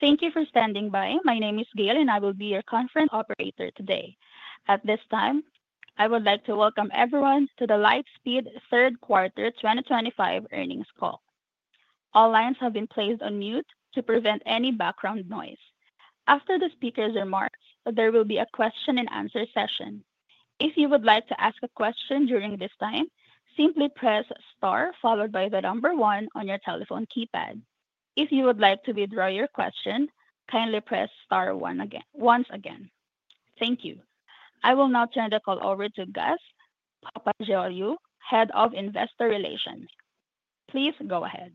Thank you for standing by. My name is Gil, and I will be your conference operator today. At this time, I would like to welcome everyone to the Lightspeed Q3 2025 earnings call. All lines have been placed on mute to prevent any background noise. After the speaker's remarks, there will be a question-and-answer session. If you would like to ask a question during this time, simply press star followed by the number one on your telephone keypad. If you would like to withdraw your question, kindly press star once again. Thank you. I will now turn the call over to Gus Papageorgiou, Head of Investor Relations. Please go ahead.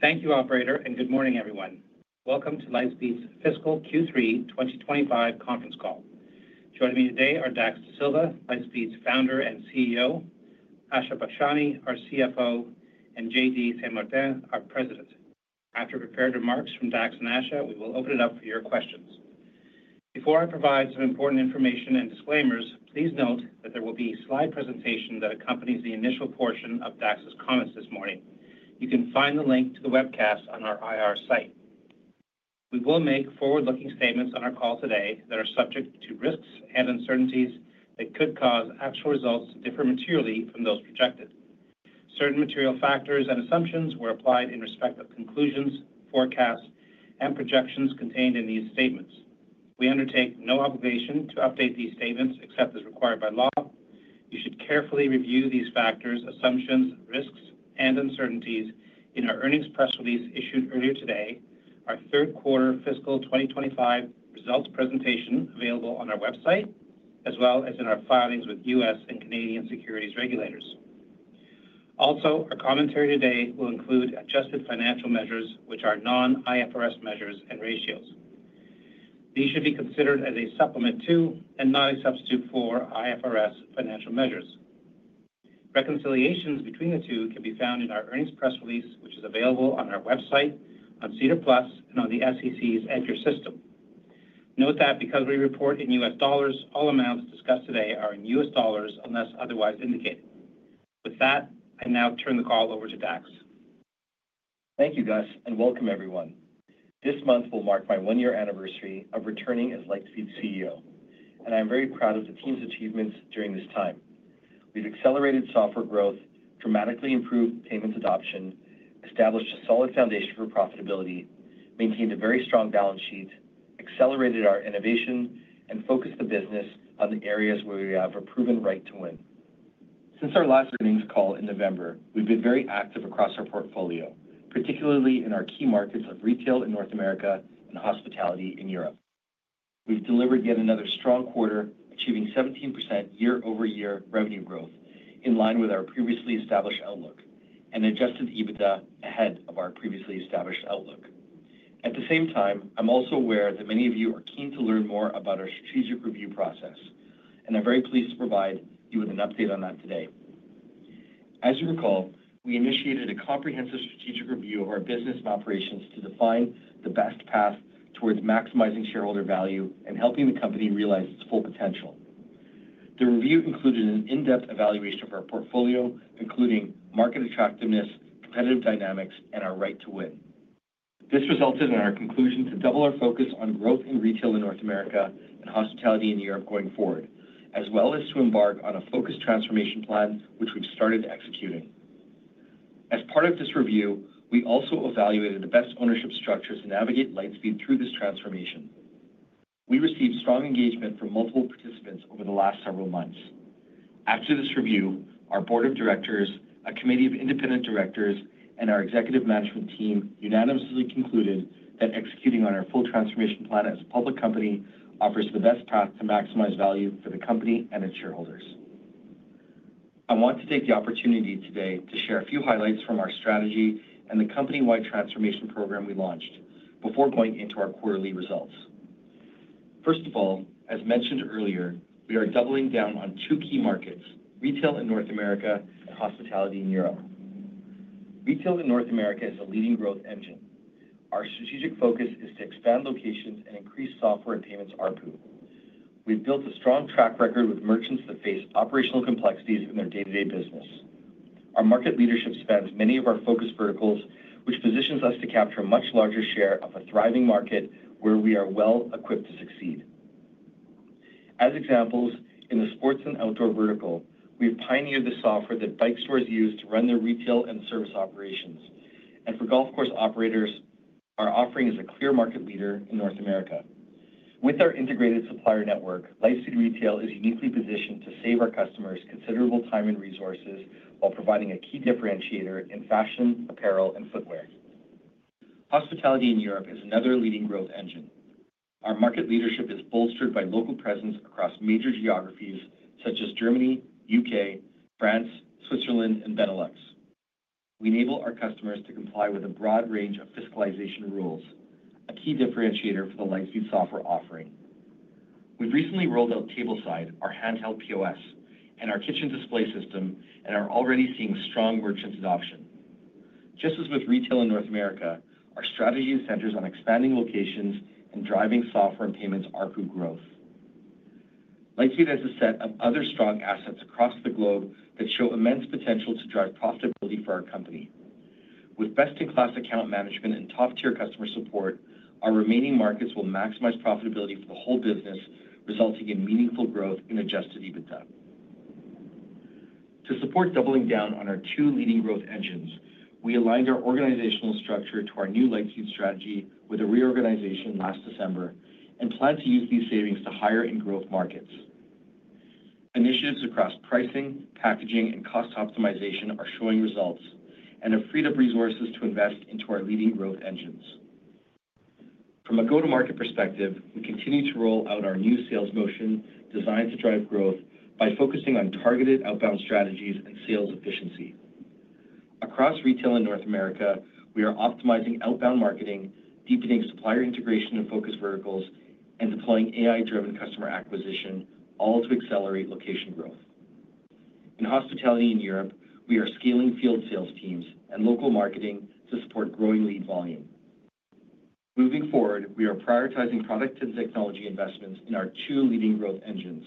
Thank you, Operator, and good morning, everyone. Welcome to Lightspeed's Q3 2025 conference call. Joining me today are Dax Dasilva, Lightspeed's Founder and CEO; Asha Bakshani, our CFO; and JD Saint-Martin, our President. After prepared remarks from Dax and Asha, we will open it up for your questions. Before I provide some important information and disclaimers, please note that there will be a slide presentation that accompanies the initial portion of Dax's comments this morning. You can find the link to the webcast on our IR site. We will make forward-looking statements on our call today that are subject to risks and uncertainties that could cause actual results to differ materially from those projected. Certain material factors and assumptions were applied in respect of conclusions, forecasts, and projections contained in these statements. We undertake no obligation to update these statements except as required by law. You should carefully review these factors, assumptions, risks, and uncertainties in our earnings press release issued earlier today, our third quarter 2025 results presentation available on our website, as well as in our filings with U.S. and Canadian securities regulators. Also, our commentary today will include adjusted financial measures, which are non-IFRS measures and ratios. These should be considered as a supplement to and not a substitute for IFRS financial measures. Reconciliations between the two can be found in our earnings press release, which is available on our website, on SEDAR+, and on the SEC's EDGAR system. Note that because we report in U.S. dollars, all amounts discussed today are in U.S. dollars unless otherwise indicated. With that, I now turn the call over to Dax. Thank you, Gus, and welcome, everyone. This month will mark my one-year anniversary of returning as Lightspeed CEO, and I am very proud of the team's achievements during this time. We've accelerated software growth, dramatically improved payments adoption, established a solid foundation for profitability, maintained a very strong balance sheet, accelerated our innovation, and focused the business on the areas where we have a proven right to win. Since our last earnings call in November, we've been very active across our portfolio, particularly in our key markets of retail in North America and hospitality in Europe. We've delivered yet another strong quarter, achieving 17% year-over-year revenue growth in line with our previously established outlook and adjusted EBITDA ahead of our previously established outlook. At the same time, I'm also aware that many of you are keen to learn more about our strategic review process, and I'm very pleased to provide you with an update on that today. As you recall, we initiated a comprehensive strategic review of our business and operations to define the best path towards maximizing shareholder value and helping the company realize its full potential. The review included an in-depth evaluation of our portfolio, including market attractiveness, competitive dynamics, and our right to win. This resulted in our conclusion to double our focus on growth in retail in North America and hospitality in Europe going forward, as well as to embark on a focused transformation plan, which we've started executing. As part of this review, we also evaluated the best ownership structure to navigate Lightspeed through this transformation. We received strong engagement from multiple participants over the last several months. After this review, our board of directors, a committee of independent directors, and our executive management team unanimously concluded that executing on our full transformation plan as a public company offers the best path to maximize value for the company and its shareholders. I want to take the opportunity today to share a few highlights from our strategy and the company-wide transformation program we launched before going into our quarterly results. First of all, as mentioned earlier, we are doubling down on two key markets: retail in North America and hospitality in Europe. Retail in North America is a leading growth engine. Our strategic focus is to expand locations and increase software and payments ARPU. We've built a strong track record with merchants that face operational complexities in their day-to-day business. Our market leadership spans many of our focus verticals, which positions us to capture a much larger share of a thriving market where we are well equipped to succeed. As examples, in the sports and outdoor vertical, we've pioneered the software that bike stores use to run their retail and service operations, and for golf course operators, our offering is a clear market leader in North America. With our integrated supplier network, Lightspeed Retail is uniquely positioned to save our customers considerable time and resources while providing a key differentiator in fashion, apparel, and footwear. Hospitality in Europe is another leading growth engine. Our market leadership is bolstered by local presence across major geographies such as Germany, the U.K., France, Switzerland, and Benelux. We enable our customers to comply with a broad range of fiscalization rules, a key differentiator for the Lightspeed software offering. We've recently rolled out Tableside, our handheld POS, and our kitchen display system, and are already seeing strong merchants' adoption. Just as with retail in North America, our strategy centers on expanding locations and driving software and payments ARPU growth. Lightspeed has a set of other strong assets across the globe that show immense potential to drive profitability for our company. With best-in-class account management and top-tier customer support, our remaining markets will maximize profitability for the whole business, resulting in meaningful growth and Adjusted EBITDA. To support doubling down on our two leading growth engines, we aligned our organizational structure to our new Lightspeed strategy with a reorganization last December and plan to use these savings to hire in growth markets. Initiatives across pricing, packaging, and cost optimization are showing results, and have freed up resources to invest into our leading growth engines. From a go-to-market perspective, we continue to roll out our new sales motion designed to drive growth by focusing on targeted outbound strategies and sales efficiency. Across retail in North America, we are optimizing outbound marketing, deepening supplier integration and focus verticals, and deploying AI-driven customer acquisition, all to accelerate location growth. In hospitality in Europe, we are scaling field sales teams and local marketing to support growing lead volume. Moving forward, we are prioritizing product and technology investments in our two leading growth engines.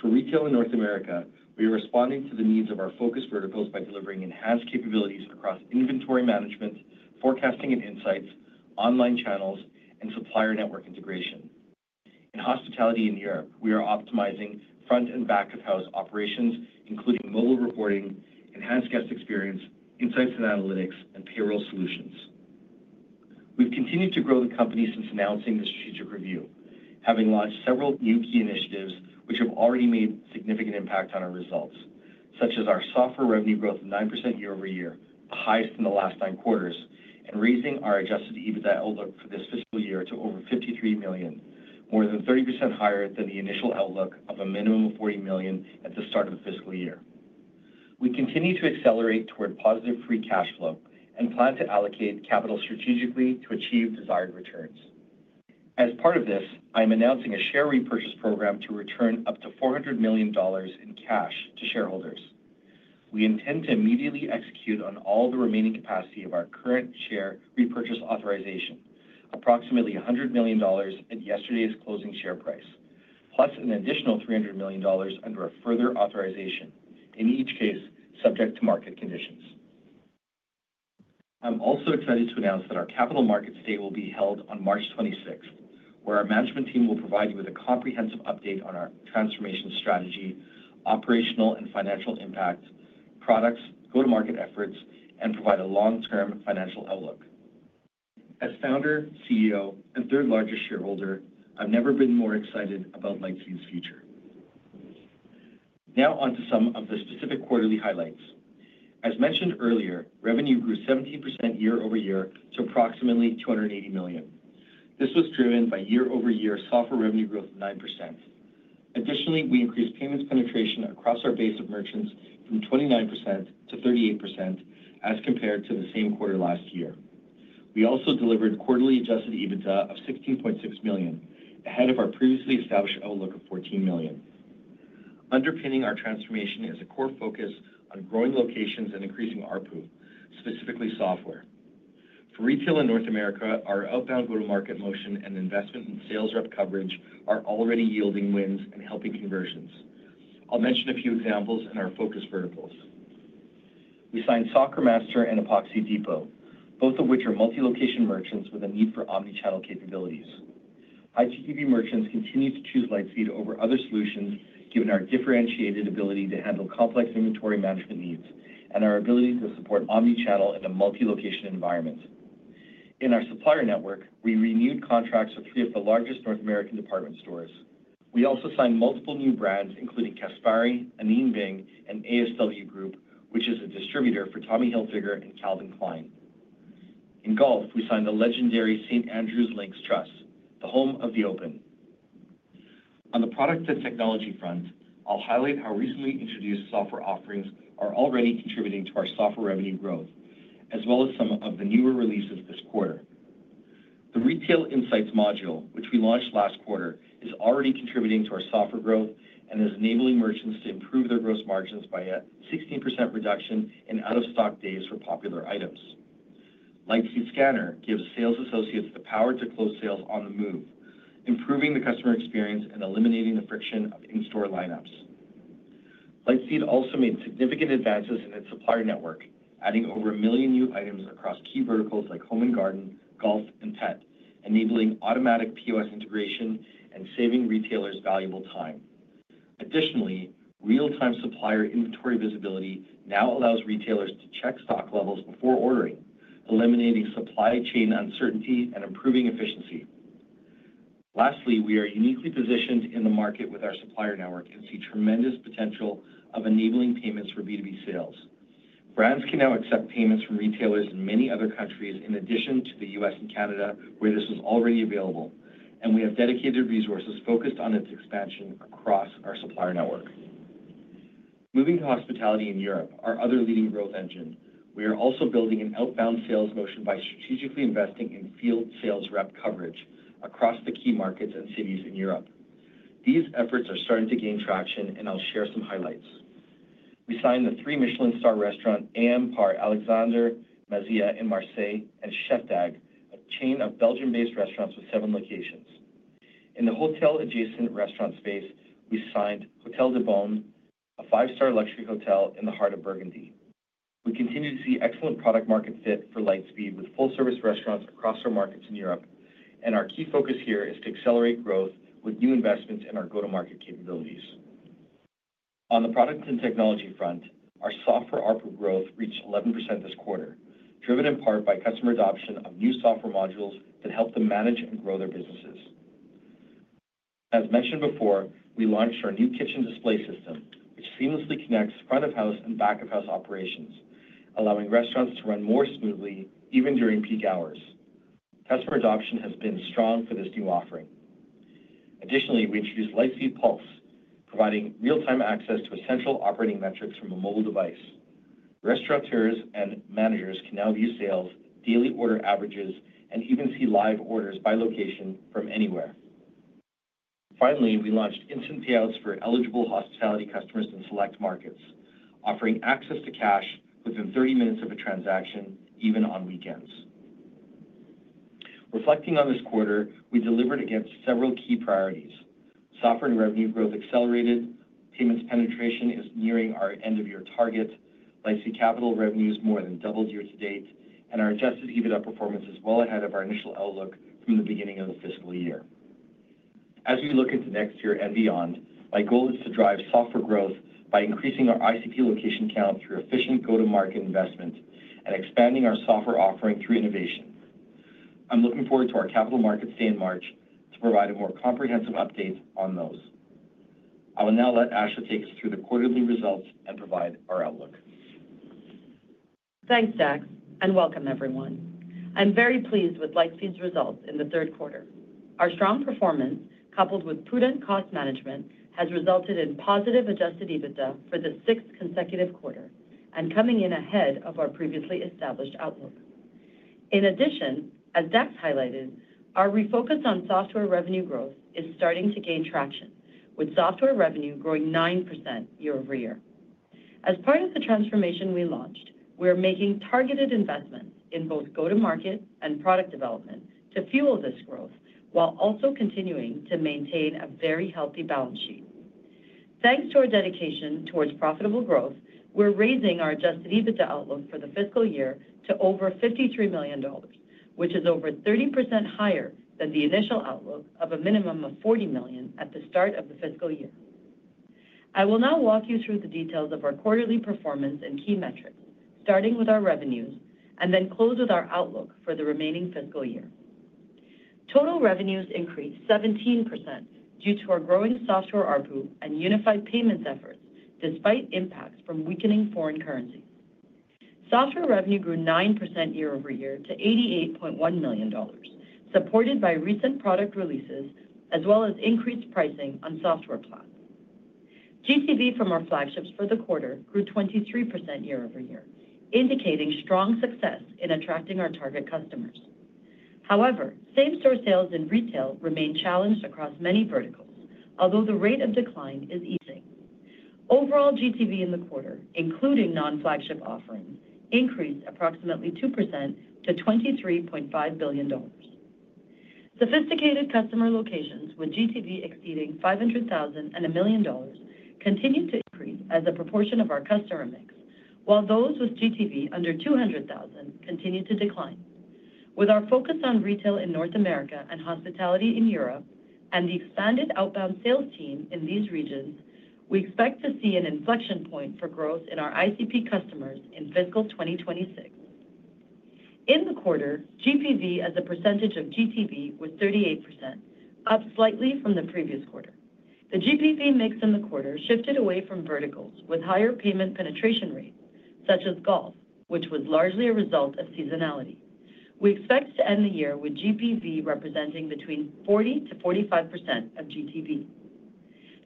For retail in North America, we are responding to the needs of our focus verticals by delivering enhanced capabilities across inventory management, forecasting and insights, online channels, and supplier network integration. In hospitality in Europe, we are optimizing front-and-back-of-house operations, including mobile reporting, enhanced guest experience, insights and analytics, and payroll solutions. We've continued to grow the company since announcing the strategic review, having launched several new key initiatives which have already made a significant impact on our results, such as our software revenue growth of 9% year-over-year, the highest in the last nine quarters, and raising our Adjusted EBITDA outlook for this fiscal year to over $53 million, more than 30% higher than the initial outlook of a minimum of $40 million at the start of the fiscal year. We continue to accelerate toward positive Free Cash Flow and plan to allocate capital strategically to achieve desired returns. As part of this, I am announcing a share repurchase program to return up to $400 million in cash to shareholders. We intend to immediately execute on all the remaining capacity of our current share repurchase authorization, approximately $100 million at yesterday's closing share price, plus an additional $300 million under a further authorization, in each case subject to market conditions. I'm also excited to announce that our capital markets day will be held on March 26th, where our management team will provide you with a comprehensive update on our transformation strategy, operational and financial impact, products, go-to-market efforts, and provide a long-term financial outlook. As Founder, CEO, and third-largest shareholder, I've never been more excited about Lightspeed's future. Now on to some of the specific quarterly highlights. As mentioned earlier, revenue grew 17% year-over-year to approximately $280 million. This was driven by year-over-year software revenue growth of 9%. Additionally, we increased payments penetration across our base of merchants from 29%-38% as compared to the same quarter last year. We also delivered quarterly adjusted EBITDA of $16.6 million, ahead of our previously established outlook of $14 million. Underpinning our transformation is a core focus on growing locations and increasing ARPU, specifically software. For retail in North America, our outbound go-to-market motion and investment in sales rep coverage are already yielding wins and helping conversions. I'll mention a few examples in our focus verticals. We signed Soccer Master and Epoxy Depot, both of which are multi-location merchants with a need for omnichannel capabilities. GTV merchants continue to choose Lightspeed over other solutions, given our differentiated ability to handle complex inventory management needs and our ability to support omnichannel in a multi-location environment. In our supplier network, we renewed contracts with three of the largest North American department stores. We also signed multiple new brands, including Caspari, Anine Bing, and ASW Group, which is a distributor for Tommy Hilfiger and Calvin Klein. In golf, we signed the legendary St Andrews Links Trust, the home of The Open. On the product and technology front, I'll highlight how recently introduced software offerings are already contributing to our software revenue growth, as well as some of the newer releases this quarter. The retail insights module, which we launched last quarter, is already contributing to our software growth and is enabling merchants to improve their gross margins by a 16% reduction in out-of-stock days for popular items. Lightspeed Scanner gives sales associates the power to close sales on the move, improving the customer experience and eliminating the friction of in-store lineups. Lightspeed also made significant advances in its supplier network, adding over a million new items across key verticals like home and garden, golf, and pet, enabling automatic POS integration and saving retailers valuable time. Additionally, real-time supplier inventory visibility now allows retailers to check stock levels before ordering, eliminating supply chain uncertainty and improving efficiency. Lastly, we are uniquely positioned in the market with our supplier network and see tremendous potential of enabling payments for B2B sales. Brands can now accept payments from retailers in many other countries in addition to the U.S. and Canada, where this was already available, and we have dedicated resources focused on its expansion across our supplier network. Moving to hospitality in Europe, our other leading growth engine, we are also building an outbound sales motion by strategically investing in field sales rep coverage across the key markets and cities in Europe. These efforts are starting to gain traction, and I'll share some highlights. We signed the three Michelin-star restaurants AM par Alexandre Mazzia in Marseille, and Chef Dag, a chain of Belgian-based restaurants with seven locations. In the hotel-adjacent restaurant space, we signed Hôtel de Beaune, a five-star luxury hotel in the heart of Burgundy. We continue to see excellent product-market fit for Lightspeed with full-service restaurants across our markets in Europe, and our key focus here is to accelerate growth with new investments in our go-to-market capabilities. On the product and technology front, our software ARPU growth reached 11% this quarter, driven in part by customer adoption of new software modules that help them manage and grow their businesses. As mentioned before, we launched our new kitchen display system, which seamlessly connects front-of-house and back-of-house operations, allowing restaurants to run more smoothly even during peak hours. Customer adoption has been strong for this new offering. Additionally, we introduced Lightspeed Pulse, providing real-time access to essential operating metrics from a mobile device. Restaurateurs and managers can now view sales, daily order averages, and even see live orders by location from anywhere. Finally, we launched instant payouts for eligible hospitality customers in select markets, offering access to cash within 30 minutes of a transaction, even on weekends. Reflecting on this quarter, we delivered against several key priorities. Software and revenue growth accelerated, payments penetration is nearing our end-of-year target, Lightspeed Capital revenues more than doubled year-to-date, and our adjusted EBITDA performance is well ahead of our initial outlook from the beginning of the fiscal year. As we look into next year and beyond, my goal is to drive software growth by increasing our ICP location count through efficient go-to-market investment and expanding our software offering through innovation. I'm looking forward to our capital markets day in March to provide a more comprehensive update on those. I will now let Asha take us through the quarterly results and provide our outlook. Thanks, Dax, and welcome, everyone. I'm very pleased with Lightspeed's results in the third quarter. Our strong performance, coupled with prudent cost management, has resulted in positive Adjusted EBITDA for the sixth consecutive quarter, and coming in ahead of our previously established outlook. In addition, as Dax highlighted, our refocus on software revenue growth is starting to gain traction, with software revenue growing 9% year-over-year. As part of the transformation we launched, we are making targeted investments in both go-to-market and product development to fuel this growth while also continuing to maintain a very healthy balance sheet. Thanks to our dedication toward profitable growth, we're raising our Adjusted EBITDA outlook for the fiscal year to over $53 million, which is over 30% higher than the initial outlook of a minimum of $40 million at the start of the fiscal year. I will now walk you through the details of our quarterly performance and key metrics, starting with our revenues, and then close with our outlook for the remaining fiscal year. Total revenues increased 17% due to our growing software ARPU and unified payments efforts, despite impacts from weakening foreign currencies. Software revenue grew 9% year-over-year to $88.1 million, supported by recent product releases as well as increased pricing on software plans. GTV from our flagships for the quarter grew 23% year-over-year, indicating strong success in attracting our target customers. However, same-store sales in retail remain challenged across many verticals, although the rate of decline is easing. Overall, GTV in the quarter, including non-flagship offerings, increased approximately 2% to $23.5 billion. Sophisticated customer locations, with GTV exceeding $500,000 and $1 million, continue to increase as a proportion of our customer mix, while those with GTV under $200,000 continue to decline. With our focus on retail in North America and hospitality in Europe and the expanded outbound sales team in these regions, we expect to see an inflection point for growth in our ICP customers in fiscal 2026. In the quarter, GPV as a percentage of GTV was 38%, up slightly from the previous quarter. The GPV mix in the quarter shifted away from verticals with higher payment penetration rates, such as golf, which was largely a result of seasonality. We expect to end the year with GPV representing between 40%-45% of GTV.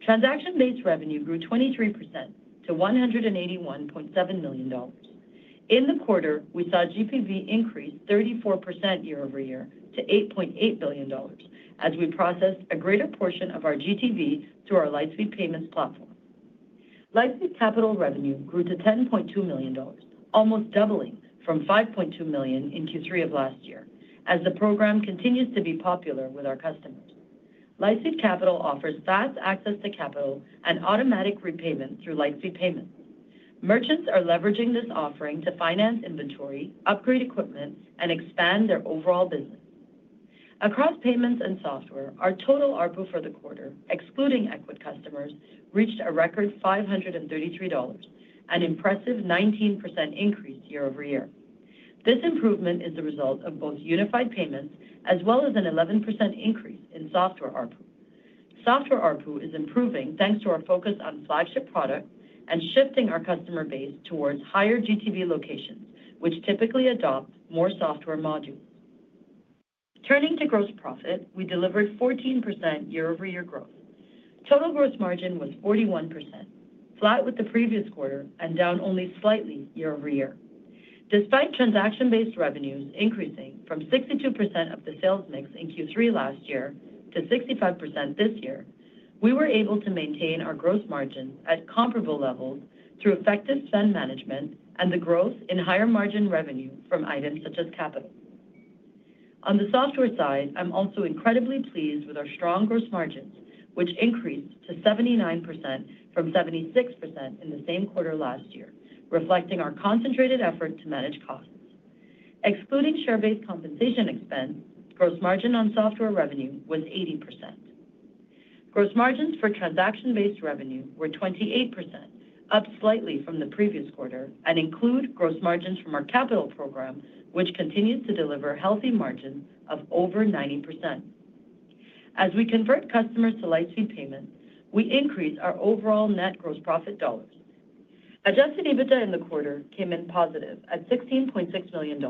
Transaction-based revenue grew 23% to $181.7 million. In the quarter, we saw GPV increase 34% year-over-year to $8.8 billion as we processed a greater portion of our GTV through our Lightspeed Payments platform. Lightspeed Capital revenue grew to $10.2 million, almost doubling from $5.2 million in Q3 of last year, as the program continues to be popular with our customers. Lightspeed Capital offers fast access to capital and automatic repayment through Lightspeed Payments. Merchants are leveraging this offering to finance inventory, upgrade equipment, and expand their overall business. Across payments and software, our total ARPU for the quarter, excluding Ecwid customers, reached a record $533, an impressive 19% increase year-over-year. This improvement is the result of both unified payments as well as an 11% increase in software ARPU. Software ARPU is improving thanks to our focus on flagship products and shifting our customer base towards higher GTV locations, which typically adopt more software modules. Turning to gross profit, we delivered 14% year-over-year growth. Total gross margin was 41%, flat with the previous quarter and down only slightly year-over-year. Despite transaction-based revenues increasing from 62% of the sales mix in Q3 last year to 65% this year, we were able to maintain our gross margins at comparable levels through effective spend management and the growth in higher margin revenue from items such as capital. On the software side, I'm also incredibly pleased with our strong gross margins, which increased to 79% from 76% in the same quarter last year, reflecting our concentrated effort to manage costs. Excluding share-based compensation expense, gross margin on software revenue was 80%. Gross margins for transaction-based revenue were 28%, up slightly from the previous quarter, and include gross margins from our capital program, which continues to deliver healthy margins of over 90%. As we convert customers to Lightspeed Payments, we increase our overall net gross profit dollars. Adjusted EBITDA in the quarter came in positive at $16.6 million,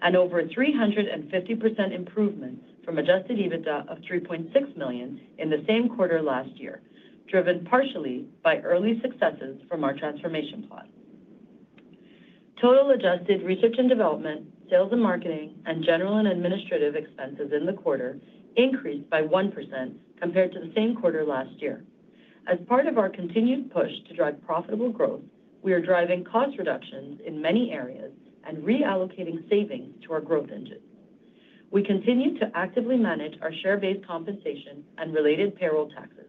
an over 350% improvement from adjusted EBITDA of $3.6 million in the same quarter last year, driven partially by early successes from our transformation plans. Total adjusted research and development, sales and marketing, and general and administrative expenses in the quarter increased by 1% compared to the same quarter last year. As part of our continued push to drive profitable growth, we are driving cost reductions in many areas and reallocating savings to our growth engines. We continue to actively manage our share-based compensation and related payroll taxes,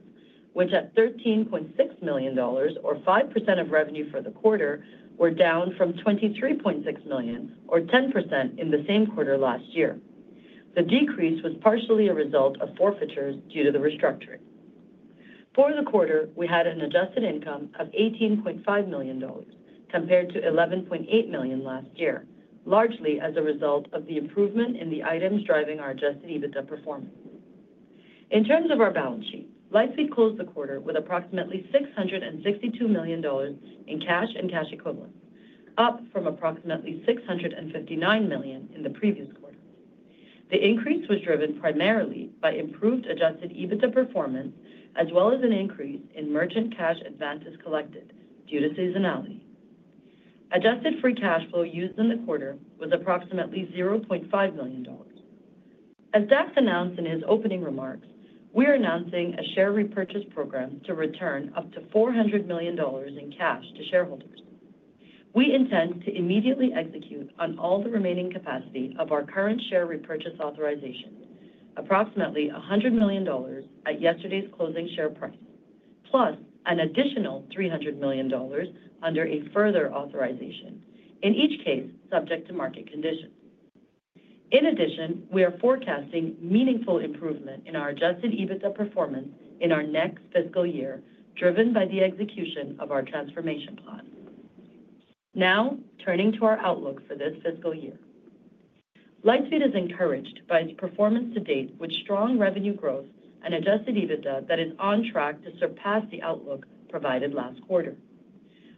which at $13.6 million, or 5% of revenue for the quarter, were down from $23.6 million, or 10% in the same quarter last year. The decrease was partially a result of forfeitures due to the restructuring. For the quarter, we had an adjusted EBITDA of $18.5 million compared to $11.8 million last year, largely as a result of the improvement in the items driving our adjusted EBITDA performance. In terms of our balance sheet, Lightspeed closed the quarter with approximately $662 million in cash and cash equivalents, up from approximately $659 million in the previous quarter. The increase was driven primarily by improved adjusted EBITDA performance as well as an increase in merchant cash advances collected due to seasonality. Adjusted free cash flow used in the quarter was approximately $0.5 million. As Dax announced in his opening remarks, we are announcing a share repurchase program to return up to $400 million in cash to shareholders. We intend to immediately execute on all the remaining capacity of our current share repurchase authorization, approximately $100 million at yesterday's closing share price, plus an additional $300 million under a further authorization, in each case subject to market conditions. In addition, we are forecasting meaningful improvement in our Adjusted EBITDA performance in our next fiscal year, driven by the execution of our transformation plans. Now, turning to our outlook for this fiscal year, Lightspeed is encouraged by its performance to date with strong revenue growth and Adjusted EBITDA that is on track to surpass the outlook provided last quarter.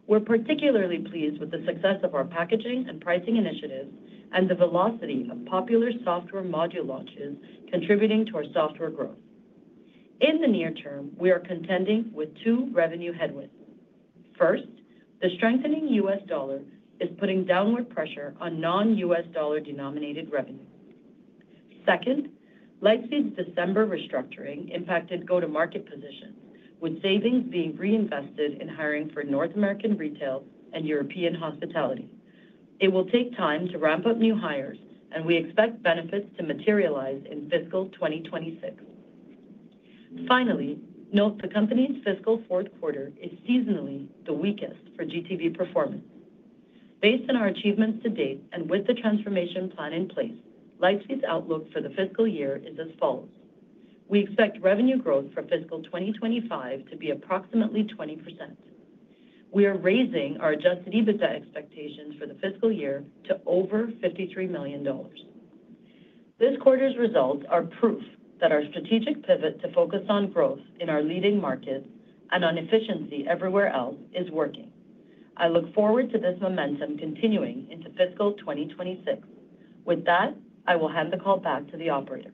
We're particularly pleased with the success of our packaging and pricing initiatives and the velocity of popular software module launches contributing to our software growth. In the near term, we are contending with two revenue headwinds. First, the strengthening U.S. dollar is putting downward pressure on non-U.S. dollar denominated revenue. Second, Lightspeed's December restructuring impacted go-to-market positions, with savings being reinvested in hiring for North American retail and European hospitality. It will take time to ramp up new hires, and we expect benefits to materialize in fiscal 2026. Finally, note the company's fiscal fourth quarter is seasonally the weakest for GTV performance. Based on our achievements to date and with the transformation plan in place, Lightspeed's outlook for the fiscal year is as follows. We expect revenue growth for fiscal 2025 to be approximately 20%. We are raising our Adjusted EBITDA expectations for the fiscal year to over $53 million. This quarter's results are proof that our strategic pivot to focus on growth in our leading markets and on efficiency everywhere else is working. I look forward to this momentum continuing into fiscal 2026. With that, I will hand the call back to the operator.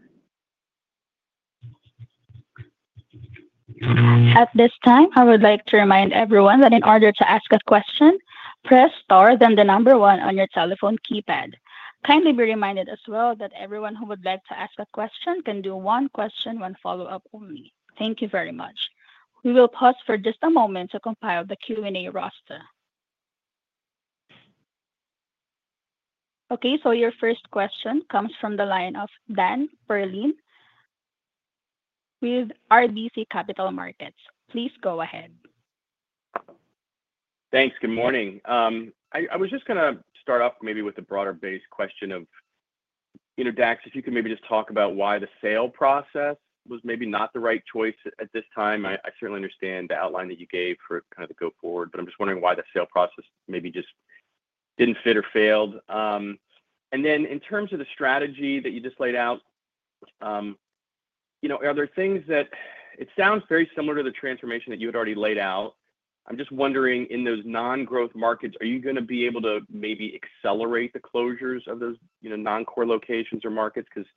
At this time, I would like to remind everyone that in order to ask a question, press star then the number one on your telephone keypad. Kindly be reminded as well that everyone who would like to ask a question can do one question and follow up only. Thank you very much. We will pause for just a moment to compile the Q&A roster. Okay, so your first question comes from the line of Dan Perlin with RBC Capital Markets. Please go ahead. Thanks. Good morning. I was just going to start off maybe with the broader-based question of, you know, Dax, if you could maybe just talk about why the sale process was maybe not the right choice at this time. I certainly understand the outline that you gave for kind of the go-forward, but I'm just wondering why the sale process maybe just didn't fit or failed. And then in terms of the strategy that you just laid out, you know, are there things that it sounds very similar to the transformation that you had already laid out? I'm just wondering, in those non-growth markets, are you going to be able to maybe accelerate the closures of those, you know, non-core locations or markets? Because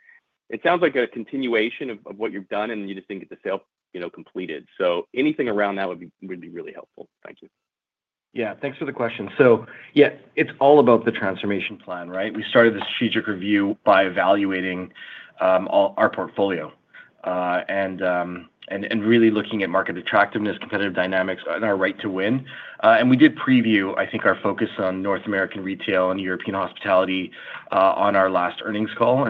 it sounds like a continuation of what you've done, and you just didn't get the sale, you know, completed. So anything around that would be really helpful. Thank you. Yeah, thanks for the question. So yeah, it's all about the transformation plan, right? We started the strategic review by evaluating our portfolio and really looking at market attractiveness, competitive dynamics, and our right to win. And we did preview, I think, our focus on North American retail and European hospitality on our last earnings call.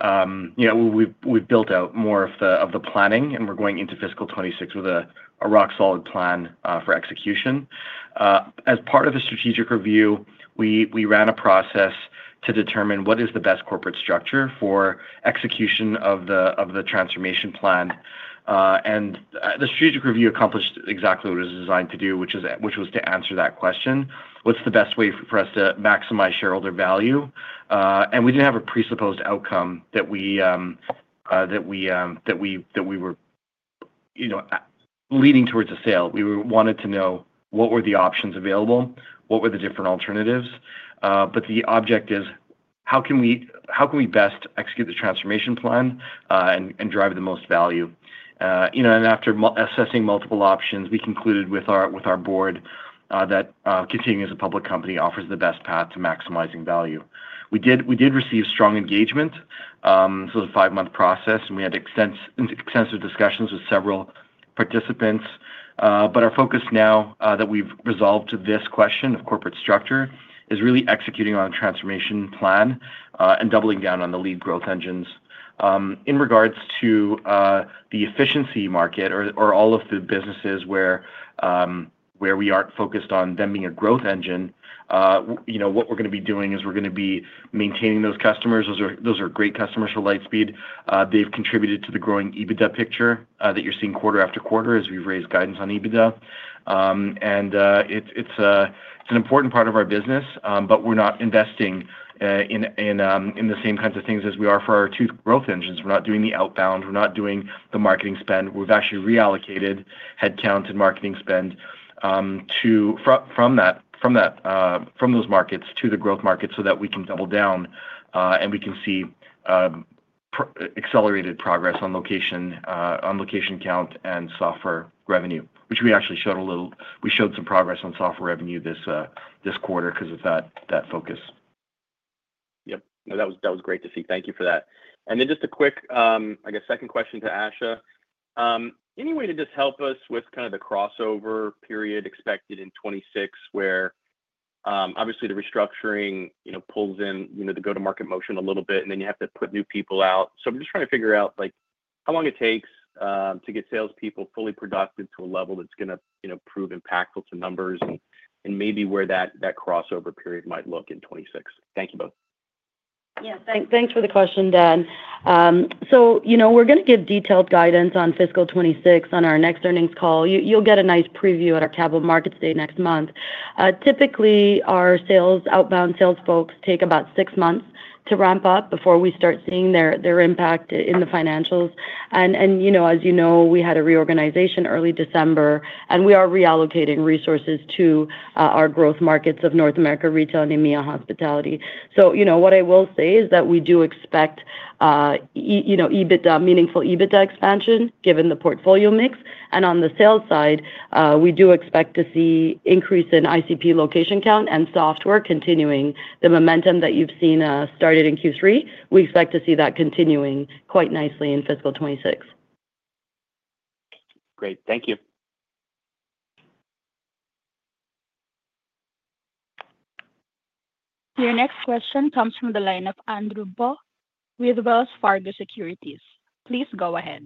You know, we've built out more of the planning, and we're going into fiscal 2026 with a rock-solid plan for execution. As part of the strategic review, we ran a process to determine what is the best corporate structure for execution of the transformation plan. The strategic review accomplished exactly what it was designed to do, which was to answer that question: what's the best way for us to maximize shareholder value? We didn't have a presupposed outcome that we were, you know, leading towards a sale. We wanted to know what were the options available, what were the different alternatives. The object is, how can we best execute the transformation plan and drive the most value? You know, and after assessing multiple options, we concluded with our board that continuing as a public company offers the best path to maximizing value. We did receive strong engagement. So it was a five-month process, and we had extensive discussions with several participants. But our focus now that we've resolved to this question of corporate structure is really executing on the transformation plan and doubling down on the lead growth engines. In regards to the efficiency market or all of the businesses where we aren't focused on them being a growth engine, you know, what we're going to be doing is we're going to be maintaining those customers. Those are great customers for Lightspeed. They've contributed to the growing EBITDA picture that you're seeing quarter after quarter as we've raised guidance on EBITDA. And it's an important part of our business, but we're not investing in the same kinds of things as we are for our two growth engines. We're not doing the outbound. We're not doing the marketing spend. We've actually reallocated headcount and marketing spend from those markets to the growth market so that we can double down and we can see accelerated progress on location count and software revenue, which we actually showed some progress on software revenue this quarter because of that focus. Yep. No, that was great to see. Thank you for that. And then just a quick, I guess, second question to Asha. any way to just help us with kind of the crossover period expected in 2026, where obviously the restructuring, you know, pulls in, you know, the go-to-market motion a little bit, and then you have to put new people out? So I'm just trying to figure out, like, how long it takes to get salespeople fully productive to a level that's going to, you know, prove impactful to numbers and maybe where that crossover period might look in 2026. Thank you both. Yeah, thanks for the question, Dan. So, you know, we're going to give detailed guidance on fiscal 2026 on our next earnings call. You'll get a nice preview at our Capital Markets Day next month. Typically, our sales outbound sales folks take about six months to ramp up before we start seeing their impact in the financials. You know, as you know, we had a reorganization early December, and we are reallocating resources to our growth markets of North America retail and EMEA hospitality. You know, what I will say is that we do expect, you know, meaningful EBITDA expansion given the portfolio mix. On the sales side, we do expect to see an increase in ICP location count and software continuing the momentum that you've seen started in Q3. We expect to see that continuing quite nicely in fiscal 2026. Great. Thank you. Your next question comes from the line of Andrew Bauch with Wells Fargo Securities. Please go ahead.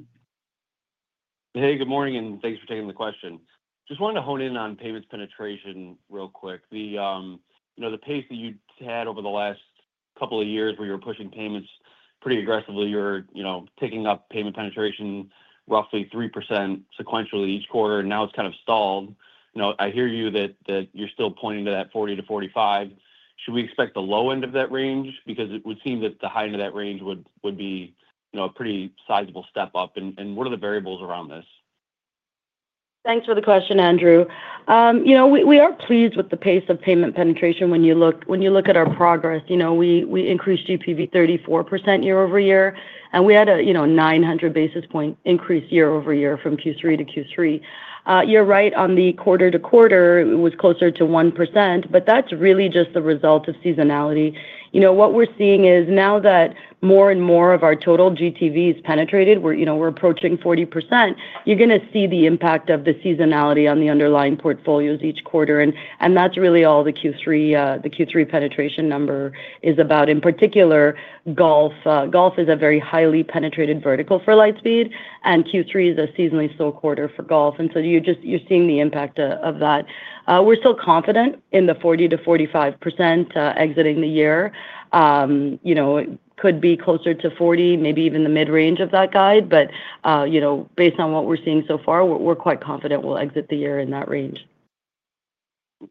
Hey, good morning, and thanks for taking the question. Just wanted to hone in on payments penetration real quick. You know, the pace that you had over the last couple of years where you were pushing payments pretty aggressively, you're, you know, taking up payment penetration roughly 3% sequentially each quarter, and now it's kind of stalled. You know, I hear you that you're still pointing to that 40%-45%. Should we expect the low end of that range? Because it would seem that the high end of that range would be a pretty sizable step up. And what are the variables around this? Thanks for the question, Andrew. You know, we are pleased with the pace of payment penetration when you look at our progress. You know, we increased GPV 34% year over year, and we had a, you know, 900 basis point increase year over year from Q3 to Q3. You're right on the quarter to quarter, it was closer to 1%, but that's really just the result of seasonality. You know, what we're seeing is now that more and more of our total GTV is penetrated, we're, you know, we're approaching 40%, you're going to see the impact of the seasonality on the underlying portfolios each quarter. And that's really all the Q3 penetration number is about. In particular, golf is a very highly penetrated vertical for Lightspeed, and Q3 is a seasonally slow quarter for golf. And so you're just, you're seeing the impact of that. We're still confident in the 40%-45% exiting the year. You know, it could be closer to 40, maybe even the mid-range of that guide. But, you know, based on what we're seeing so far, we're quite confident we'll exit the year in that range.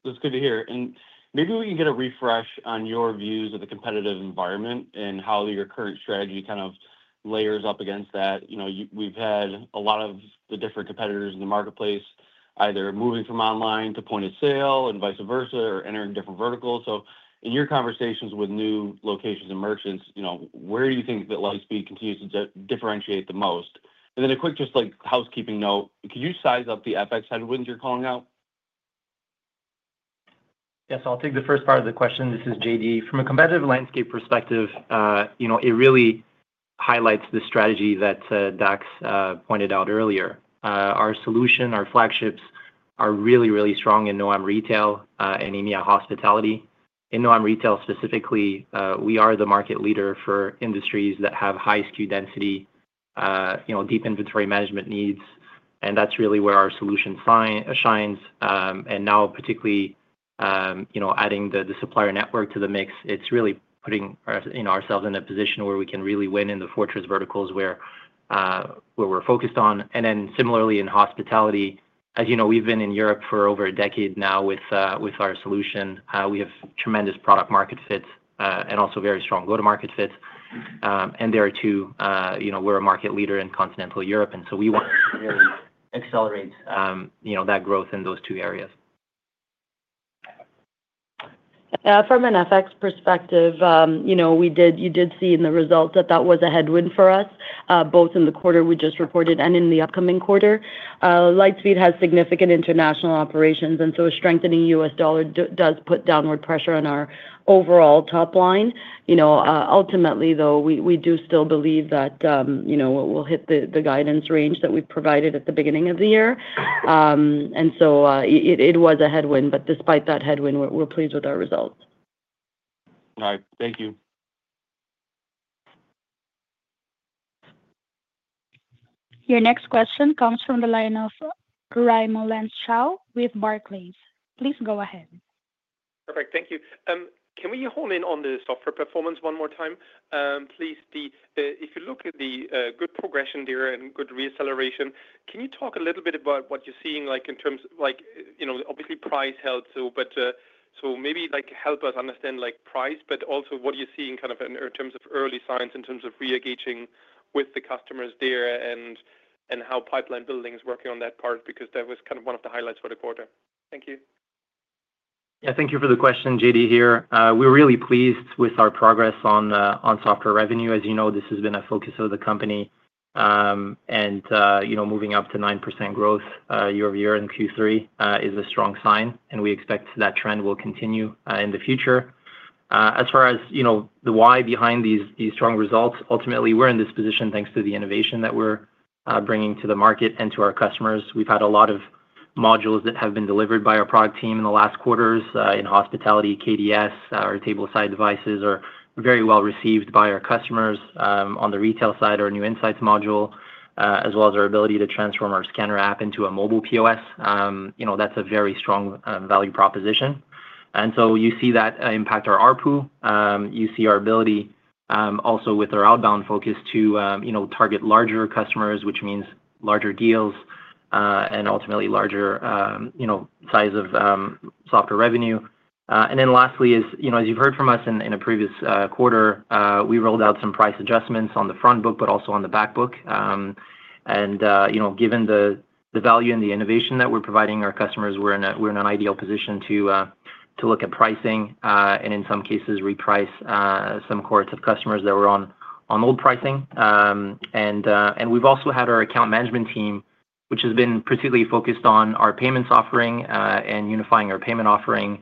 That's good to hear. And maybe we can get a refresh on your views of the competitive environment and how your current strategy kind of layers up against that. You know, we've had a lot of the different competitors in the marketplace either moving from online to point of sale and vice versa or entering different verticals. So in your conversations with new locations and merchants, you know, where do you think that Lightspeed continues to differentiate the most? And then a quick, just like housekeeping note, could you size up the FX headwinds you're calling out? Yes, I'll take the first part of the question. This is JD. From a competitive landscape perspective, you know, it really highlights the strategy that Dax pointed out earlier. Our solution, our flagships are really, really strong in non-retail and EMEA hospitality. In non-retail specifically, we are the market leader for industries that have high SKU density, you know, deep inventory management needs. And that's really where our solution shines. And now, particularly, you know, adding the supplier network to the mix, it's really putting ourselves in a position where we can really win in the fortress verticals where we're focused on. And then similarly in hospitality, as you know, we've been in Europe for over a decade now with our solution. We have tremendous product market fits and also very strong go-to-market fits. And there are two, you know, we're a market leader in continental Europe. And so we want to really accelerate, you know, that growth in those two areas. From an FX perspective, you know, we did, you did see in the results that that was a headwind for us, both in the quarter we just reported and in the upcoming quarter. Lightspeed has significant international operations, and so a strengthening U.S. dollar does put downward pressure on our overall top line. You know, ultimately, though, we do still believe that, you know, we'll hit the guidance range that we've provided at the beginning of the year. And so it was a headwind, but despite that headwind, we're pleased with our results. All right. Thank you. Your next question comes from the line of Raimo Lenschow with Barclays. Please go ahead. Perfect. Thank you. Can we hone in on the software performance one more time? Please, if you look at the good progression there and good reacceleration, can you talk a little bit about what you're seeing, like, in terms of, like, you know, obviously price held too, but so maybe, like, help us understand, like, price, but also what are you seeing kind of in terms of early signs in terms of re-engaging with the customers there and how pipeline building is working on that part because that was kind of one of the highlights for the quarter. Thank you. Yeah, thank you for the question, JD here. We're really pleased with our progress on software revenue. As you know, this has been a focus of the company. And, you know, moving up to 9% growth year over year in Q3 is a strong sign, and we expect that trend will continue in the future. As far as, you know, the why behind these strong results, ultimately, we're in this position thanks to the innovation that we're bringing to the market and to our customers. We've had a lot of modules that have been delivered by our product team in the last quarters: in hospitality, KDS; our Tableside devices are very well received by our customers. On the retail side, our new Insights module, as well as our ability to transform our Scanner app into a mobile POS. You know, that's a very strong value proposition, and so you see that impact our ARPU. You see our ability also with our outbound focus to, you know, target larger customers, which means larger deals and ultimately larger, you know, size of software revenue. And then lastly is, you know, as you've heard from us in a previous quarter, we rolled out some price adjustments on the front book, but also on the back book. And, you know, given the value and the innovation that we're providing our customers, we're in an ideal position to look at pricing and, in some cases, reprice some core customers that were on old pricing. And we've also had our account management team, which has been particularly focused on our payments offering and unifying our payment offering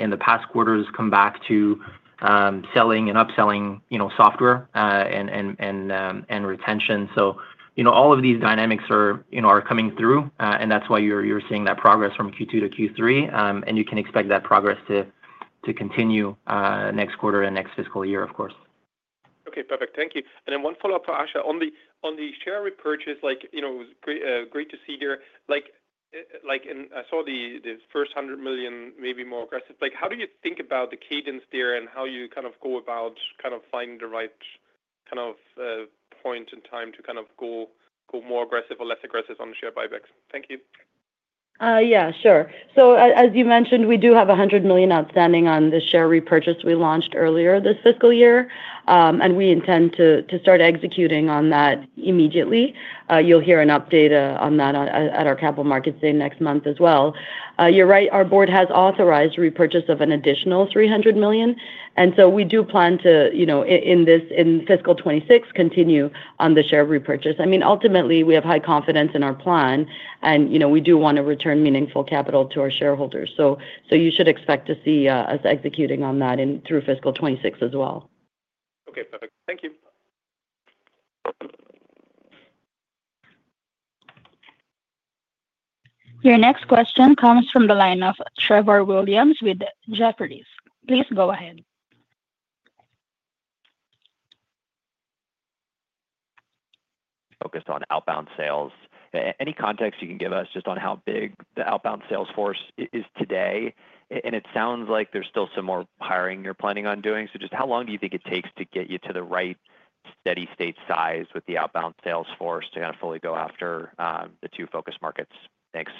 in the past quarters, come back to selling and upselling, you know, software and retention. So, you know, all of these dynamics are, you know, are coming through, and that's why you're seeing that progress from Q2 to Q3. And you can expect that progress to continue next quarter and next fiscal year, of course. Okay, perfect. Thank you. Then one follow-up for Asha. On the share repurchase, like, you know, great to see there. Like, I saw the first $100 million, maybe more aggressive. Like, how do you think about the cadence there and how you kind of go about kind of finding the right kind of point in time to kind of go more aggressive or less aggressive on the share buybacks? Thank you. Yeah, sure. So, as you mentioned, we do have $100 million outstanding on the share repurchase we launched earlier this fiscal year. And we intend to start executing on that immediately. You'll hear an update on that at our Capital Markets Day next month as well. You're right. Our board has authorized repurchase of an additional $300 million. And so we do plan to, you know, in fiscal 2026, continue on the share repurchase. I mean, ultimately, we have high confidence in our plan, and, you know, we do want to return meaningful capital to our shareholders. So you should expect to see us executing on that through fiscal 2026 as well. Okay, perfect. Thank you. Your next question comes from the line of Trevor Williams with Jefferies. Please go ahead. Focused on outbound sales. Any context you can give us just on how big the outbound sales force is today? And it sounds like there's still some more hiring you're planning on doing. So just how long do you think it takes to get you to the right steady-state size with the outbound sales force to kind of fully go after the two focus markets? Thanks.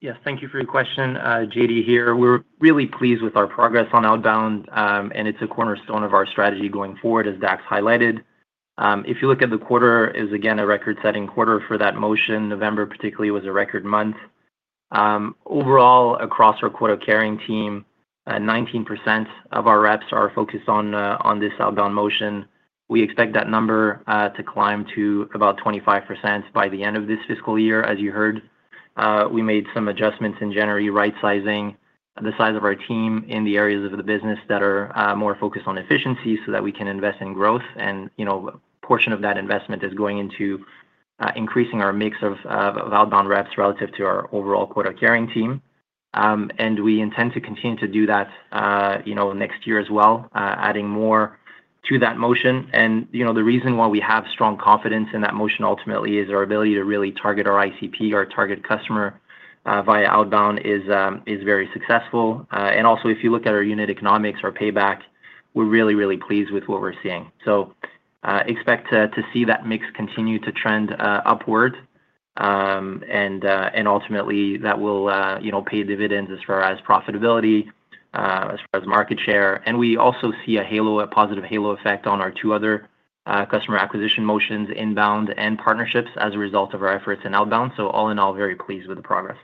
Yes, thank you for your question, JD here. We're really pleased with our progress on outbound, and it's a cornerstone of our strategy going forward, as Dax highlighted. If you look at the quarter, it was again a record-setting quarter for that motion. November particularly was a record month. Overall, across our quota-carrying team, 19% of our reps are focused on this outbound motion. We expect that number to climb to about 25% by the end of this fiscal year, as you heard. We made some adjustments in January, right-sizing the size of our team in the areas of the business that are more focused on efficiency so that we can invest in growth, and you know, a portion of that investment is going into increasing our mix of outbound reps relative to our overall quota-carrying team, and we intend to continue to do that, you know, next year as well, adding more to that motion. You know, the reason why we have strong confidence in that motion ultimately is our ability to really target our ICP, our target customer via outbound is very successful. And also, if you look at our unit economics, our payback, we're really, really pleased with what we're seeing. So expect to see that mix continue to trend upward. And ultimately, that will, you know, pay dividends as far as profitability, as far as market share. And we also see a positive halo effect on our two other customer acquisition motions, inbound and partnerships, as a result of our efforts in outbound. So all in all, very pleased with the progress.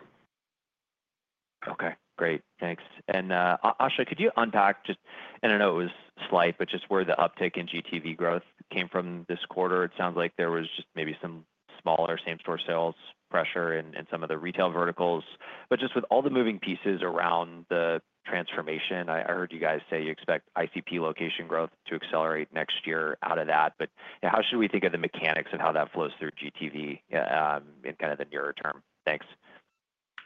Okay, great. Thanks. And Asha, could you unpack just, and I know it was slight, but just where the uptick in GTV growth came from this quarter? It sounds like there was just maybe some smaller same-store sales pressure in some of the retail verticals. But just with all the moving pieces around the transformation, I heard you guys say you expect ICP location growth to accelerate next year out of that. But how should we think of the mechanics of how that flows through GTV in kind of the nearer term? Thanks.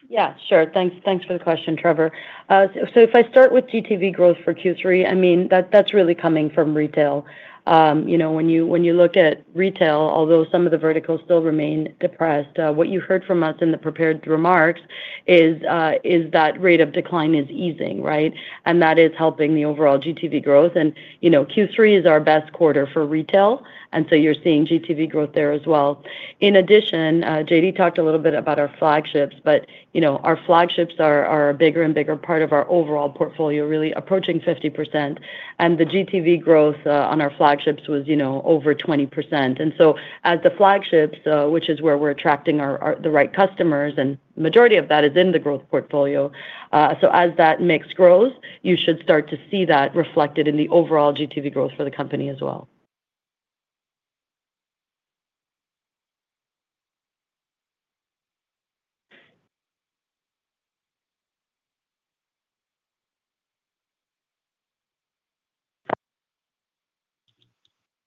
Yeah, sure. Thanks for the question, Trevor. So if I start with GTV growth for Q3, I mean, that's really coming from retail. You know, when you look at retail, although some of the verticals still remain depressed, what you heard from us in the prepared remarks is that rate of decline is easing, right? And that is helping the overall GTV growth. And, you know, Q3 is our best quarter for retail. And so you're seeing GTV growth there as well. In addition, JD talked a little bit about our flagships, but, you know, our flagships are a bigger and bigger part of our overall portfolio, really approaching 50%. And the GTV growth on our flagships was, you know, over 20%. And so as the flagships, which is where we're attracting the right customers, and the majority of that is in the growth portfolio, so as that mix grows, you should start to see that reflected in the overall GTV growth for the company as well.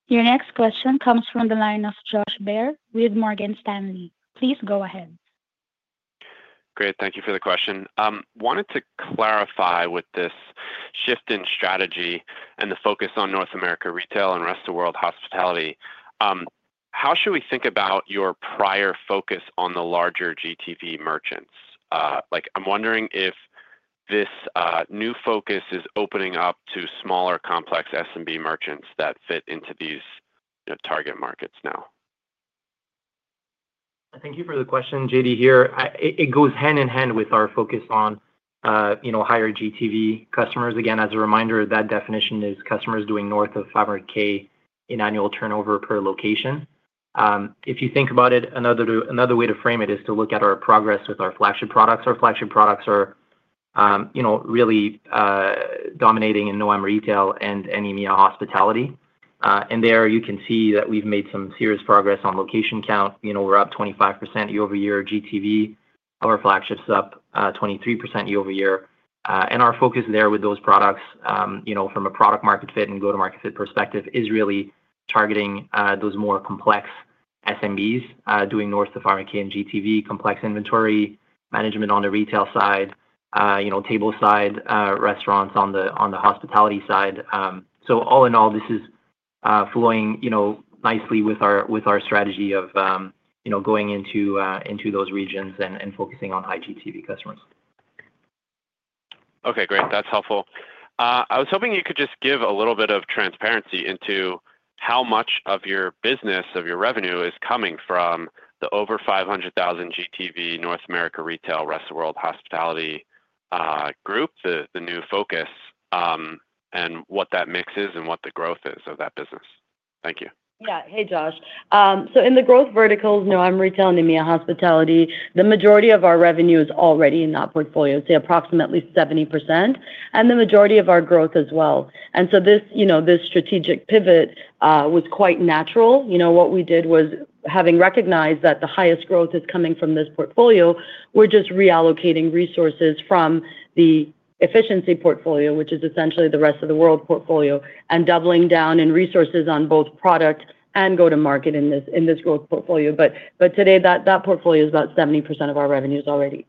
Your next question comes from the line of Josh Baer with Morgan Stanley. Please go ahead. Great. Thank you for the question. Wanted to clarify with this shift in strategy and the focus on North America retail and rest of the world hospitality. How should we think about your prior focus on the larger GTV merchants? Like, I'm wondering if this new focus is opening up to smaller complex SMB merchants that fit into these target markets now. Thank you for the question, JD here. It goes hand in hand with our focus on, you know, higher GTV customers. Again, as a reminder, that definition is customers doing north of 500K in annual turnover per location. If you think about it, another way to frame it is to look at our progress with our flagship products. Our flagship products are, you know, really dominating in non-retail and EMEA hospitality. And there you can see that we've made some serious progress on location count. You know, we're up 25% year over year GTV. Our flagships up 23% year over year. And our focus there with those products, you know, from a product market fit and go-to-market fit perspective is really targeting those more complex SMBs doing north to 500K in GTV, complex inventory management on the retail side, you know, table side restaurants on the hospitality side. So all in all, this is flowing, you know, nicely with our strategy of, you know, going into those regions and focusing on high GTV customers. Okay, great. That's helpful. I was hoping you could just give a little bit of transparency into how much of your business, of your revenue is coming from the over 500,000 GTV North America retail rest of world hospitality group, the new focus, and what that mix is and what the growth is of that business. Thank you. Yeah. Hey, Josh. So in the growth verticals, non-retail, and EMEA hospitality, the majority of our revenue is already in that portfolio, say approximately 70%, and the majority of our growth as well. And so this, you know, this strategic pivot was quite natural. You know, what we did was, having recognized that the highest growth is coming from this portfolio, we're just reallocating resources from the efficiency portfolio, which is essentially the rest of the world portfolio, and doubling down in resources on both product and go-to-market in this growth portfolio. But today, that portfolio is about 70% of our revenues already.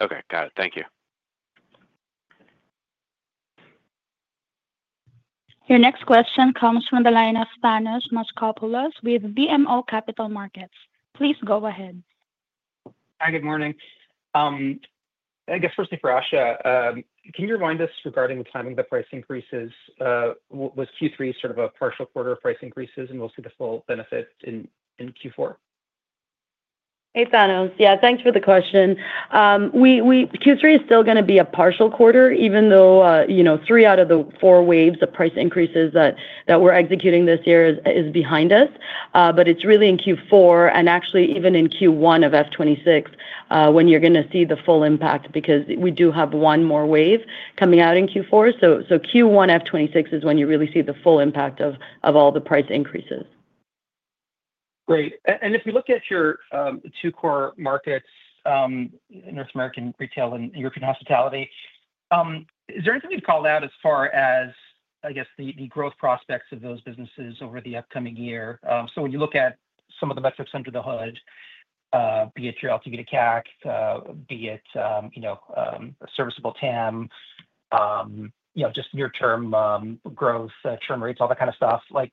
Okay, got it. Thank you. Your next question comes from the line of Thanos Moschopoulos, with BMO Capital Markets. Please go ahead. Hi, good morning. I guess firstly for Asha, can you remind us regarding the timing of the price increases? Was Q3 sort of a partial quarter of price increases, and we'll see the full benefit in Q4? Hey, Thanos. Yeah, thanks for the question. Q3 is still going to be a partial quarter, even though, you know, three out of the four waves of price increases that we're executing this year is behind us. But it's really in Q4, and actually even in Q1 of F26, when you're going to see the full impact, because we do have one more wave coming out in Q4. So Q1 F26 is when you really see the full impact of all the price increases. Great. And if we look at your two core markets, North American retail and European hospitality, is there anything you'd call out as far as, I guess, the growth prospects of those businesses over the upcoming year? So when you look at some of the metrics under the hood, be it your LTV to CAC, be it, you know, serviceable TAM, you know, just near-term growth, term rates, all that kind of stuff, like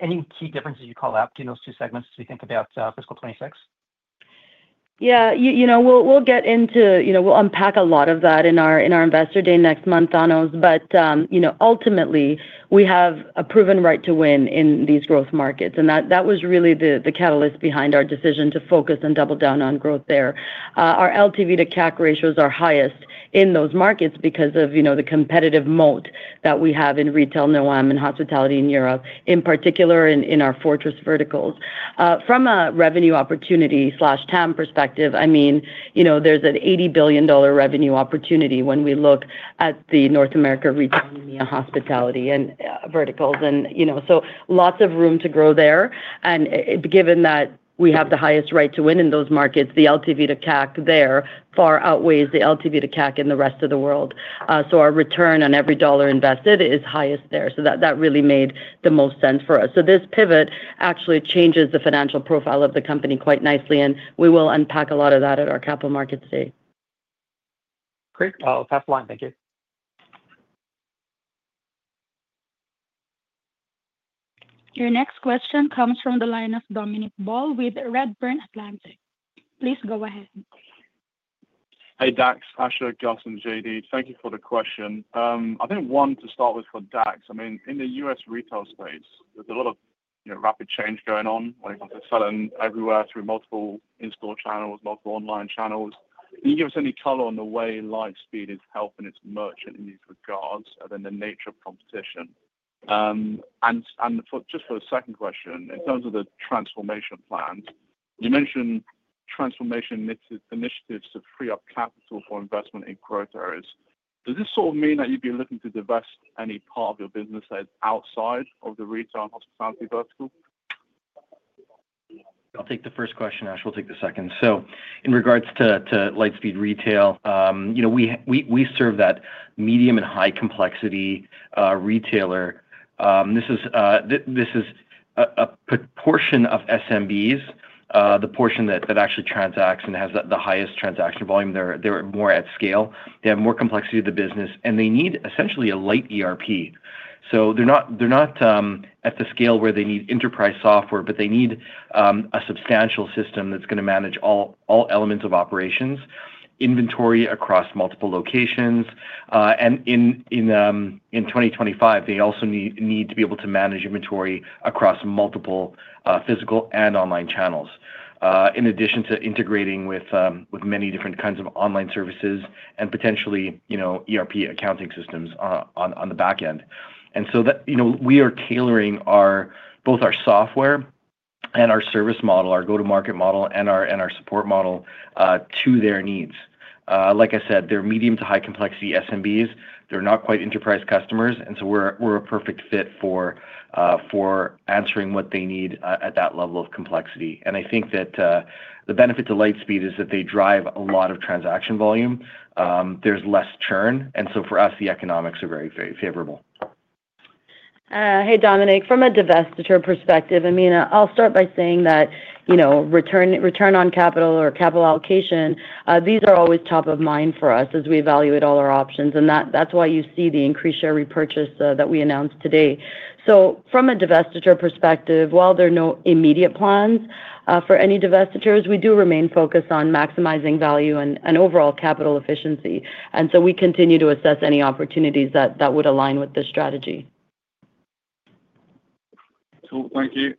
any key differences you call out between those two segments as we think about fiscal 2026? Yeah, you know, we'll get into, you know, we'll unpack a lot of that in our investor day next month, Thanos. But, you know, ultimately, we have a proven right to win in these growth markets. And that was really the catalyst behind our decision to focus and double down on growth there. Our LTV to CAC ratios are highest in those markets because of, you know, the competitive moat that we have in retail, non-retail, and hospitality in Europe, in particular in our fortress verticals. From a revenue opportunity slash TAM perspective, I mean, you know, there's an $80 billion revenue opportunity when we look at the North America retail and EMEA hospitality and verticals. And, you know, so lots of room to grow there. And given that we have the highest right to win in those markets, the LTV to CAC there far outweighs the LTV to CAC in the rest of the world. So our return on every dollar invested is highest there. So that really made the most sense for us. So this pivot actually changes the financial profile of the company quite nicely. And we will unpack a lot of that at our Capital Markets Day. Great. I'll pass the line. Thank you. Your next question comes from the line of Dominic Ball with Redburn Atlantic. Please go ahead. Hey, Dax, Asha, Gus, and JD. Thank you for the question. I think one to start with for Dax, I mean, in the U.S. retail space, there's a lot of rapid change going on when it comes to selling everywhere through multiple in-store channels, multiple online channels. Can you give us any color on the way Lightspeed is helping its merchant in these regards and then the nature of competition? And just for a second question, in terms of the transformation plan, you mentioned transformation initiatives to free up capital for investment in growth areas. Does this sort of mean that you'd be looking to divest any part of your business that is outside of the retail and hospitality vertical? I'll take the first question, Ash. We'll take the second. So in regards to Lightspeed Retail, you know, we serve that medium and high complexity retailer. This is a portion of SMBs, the portion that actually transacts and has the highest transaction volume. They're more at scale. They have more complexity of the business, and they need essentially a light ERP. So they're not at the scale where they need enterprise software, but they need a substantial system that's going to manage all elements of operations, inventory across multiple locations. And in 2025, they also need to be able to manage inventory across multiple physical and online channels, in addition to integrating with many different kinds of online services and potentially, you know, ERP accounting systems on the back end. And so that, you know, we are tailoring both our software and our service model, our go-to-market model, and our support model to their needs. Like I said, they're medium to high complexity SMBs. They're not quite enterprise customers. And so we're a perfect fit for answering what they need at that level of complexity. And I think that the benefit to Lightspeed is that they drive a lot of transaction volume. There's less churn. And so for us, the economics are very favorable. Hey, Dominic, from a divestiture perspective, I mean, I'll start by saying that, you know, return on capital or capital allocation, these are always top of mind for us as we evaluate all our options. And that's why you see the increased share repurchase that we announced today. So from a divestiture perspective, while there are no immediate plans for any divestitures, we do remain focused on maximizing value and overall capital efficiency. And so we continue to assess any opportunities that would align with this strategy. Cool. Thank you.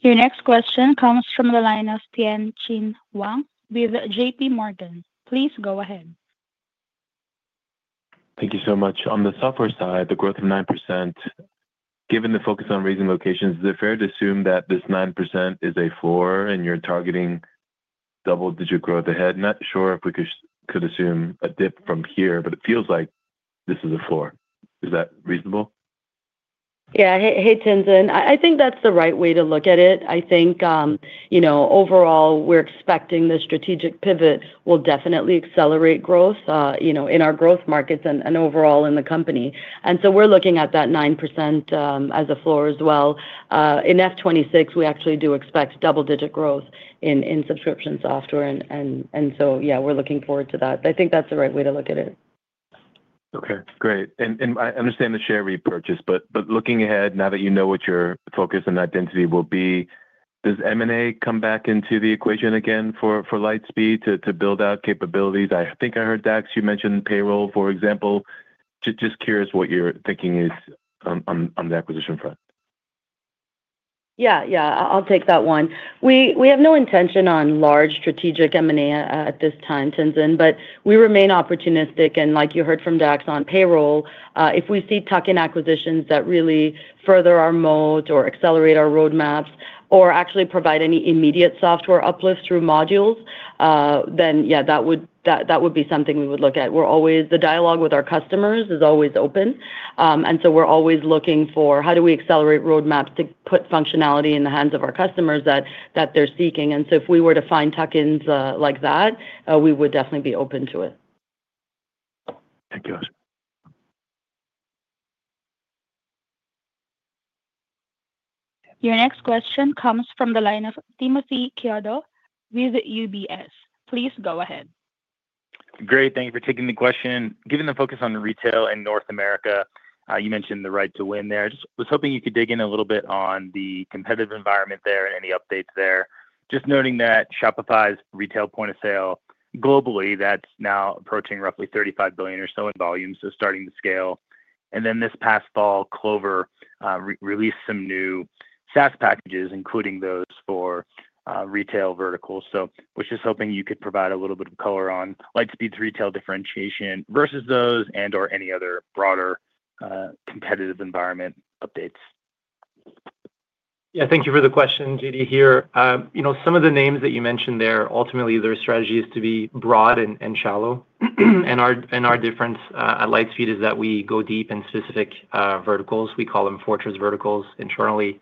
Your next question comes from the line of Tien-Tsin Huang with JPMorgan. Please go ahead. Thank you so much. On the software side, the growth of 9%, given the focus on raising locations, is it fair to assume that this 9% is a floor and you're targeting double-digit growth ahead? Not sure if we could assume a dip from here, but it feels like this is a floor. Is that reasonable? Yeah, hey, Tien-Tsin, I think that's the right way to look at it. I think, you know, overall, we're expecting the strategic pivot will definitely accelerate growth, you know, in our growth markets and overall in the company. And so we're looking at that 9% as a floor as well. In F26, we actually do expect double-digit growth in subscription software. And so, yeah, we're looking forward to that. I think that's the right way to look at it. Okay, great. I understand the share repurchase, but looking ahead, now that you know what your focus and identity will be, does M&A come back into the equation again for Lightspeed to build out capabilities? I think I heard Dax, you mentioned payroll, for example. Just curious what you're thinking is on the acquisition front. Yeah, yeah, I'll take that one. We have no intention on large strategic M&A at this time, Tien-Tsin, but we remain opportunistic. And like you heard from Dax on payroll, if we see tuck-in acquisitions that really further our moat or accelerate our roadmaps or actually provide any immediate software uplift through modules, then yeah, that would be something we would look at. We're always, the dialogue with our customers is always open. And so we're always looking for how do we accelerate roadmaps to put functionality in the hands of our customers that they're seeking. And so if we were to find tuck-ins like that, we would definitely be open to it. Thank you, Ash. Your next question comes from the line of Timothy Chiodo with UBS. Please go ahead. Great. Thank you for taking the question. Given the focus on retail in North America, you mentioned the right to win there. Just was hoping you could dig in a little bit on the competitive environment there and any updates there. Just noting that Shopify's retail point of sale globally, that's now approaching roughly 35 billion or so in volume, so starting to scale. And then this past fall, Clover released some new SaaS packages, including those for retail verticals. So we're just hoping you could provide a little bit of color on Lightspeed's retail differentiation versus those and/or any other broader competitive environment updates. Yeah, thank you for the question, JD, here. You know, some of the names that you mentioned there, ultimately, their strategy is to be broad and shallow. And our difference at Lightspeed is that we go deep in specific verticals. We call them fortress verticals internally,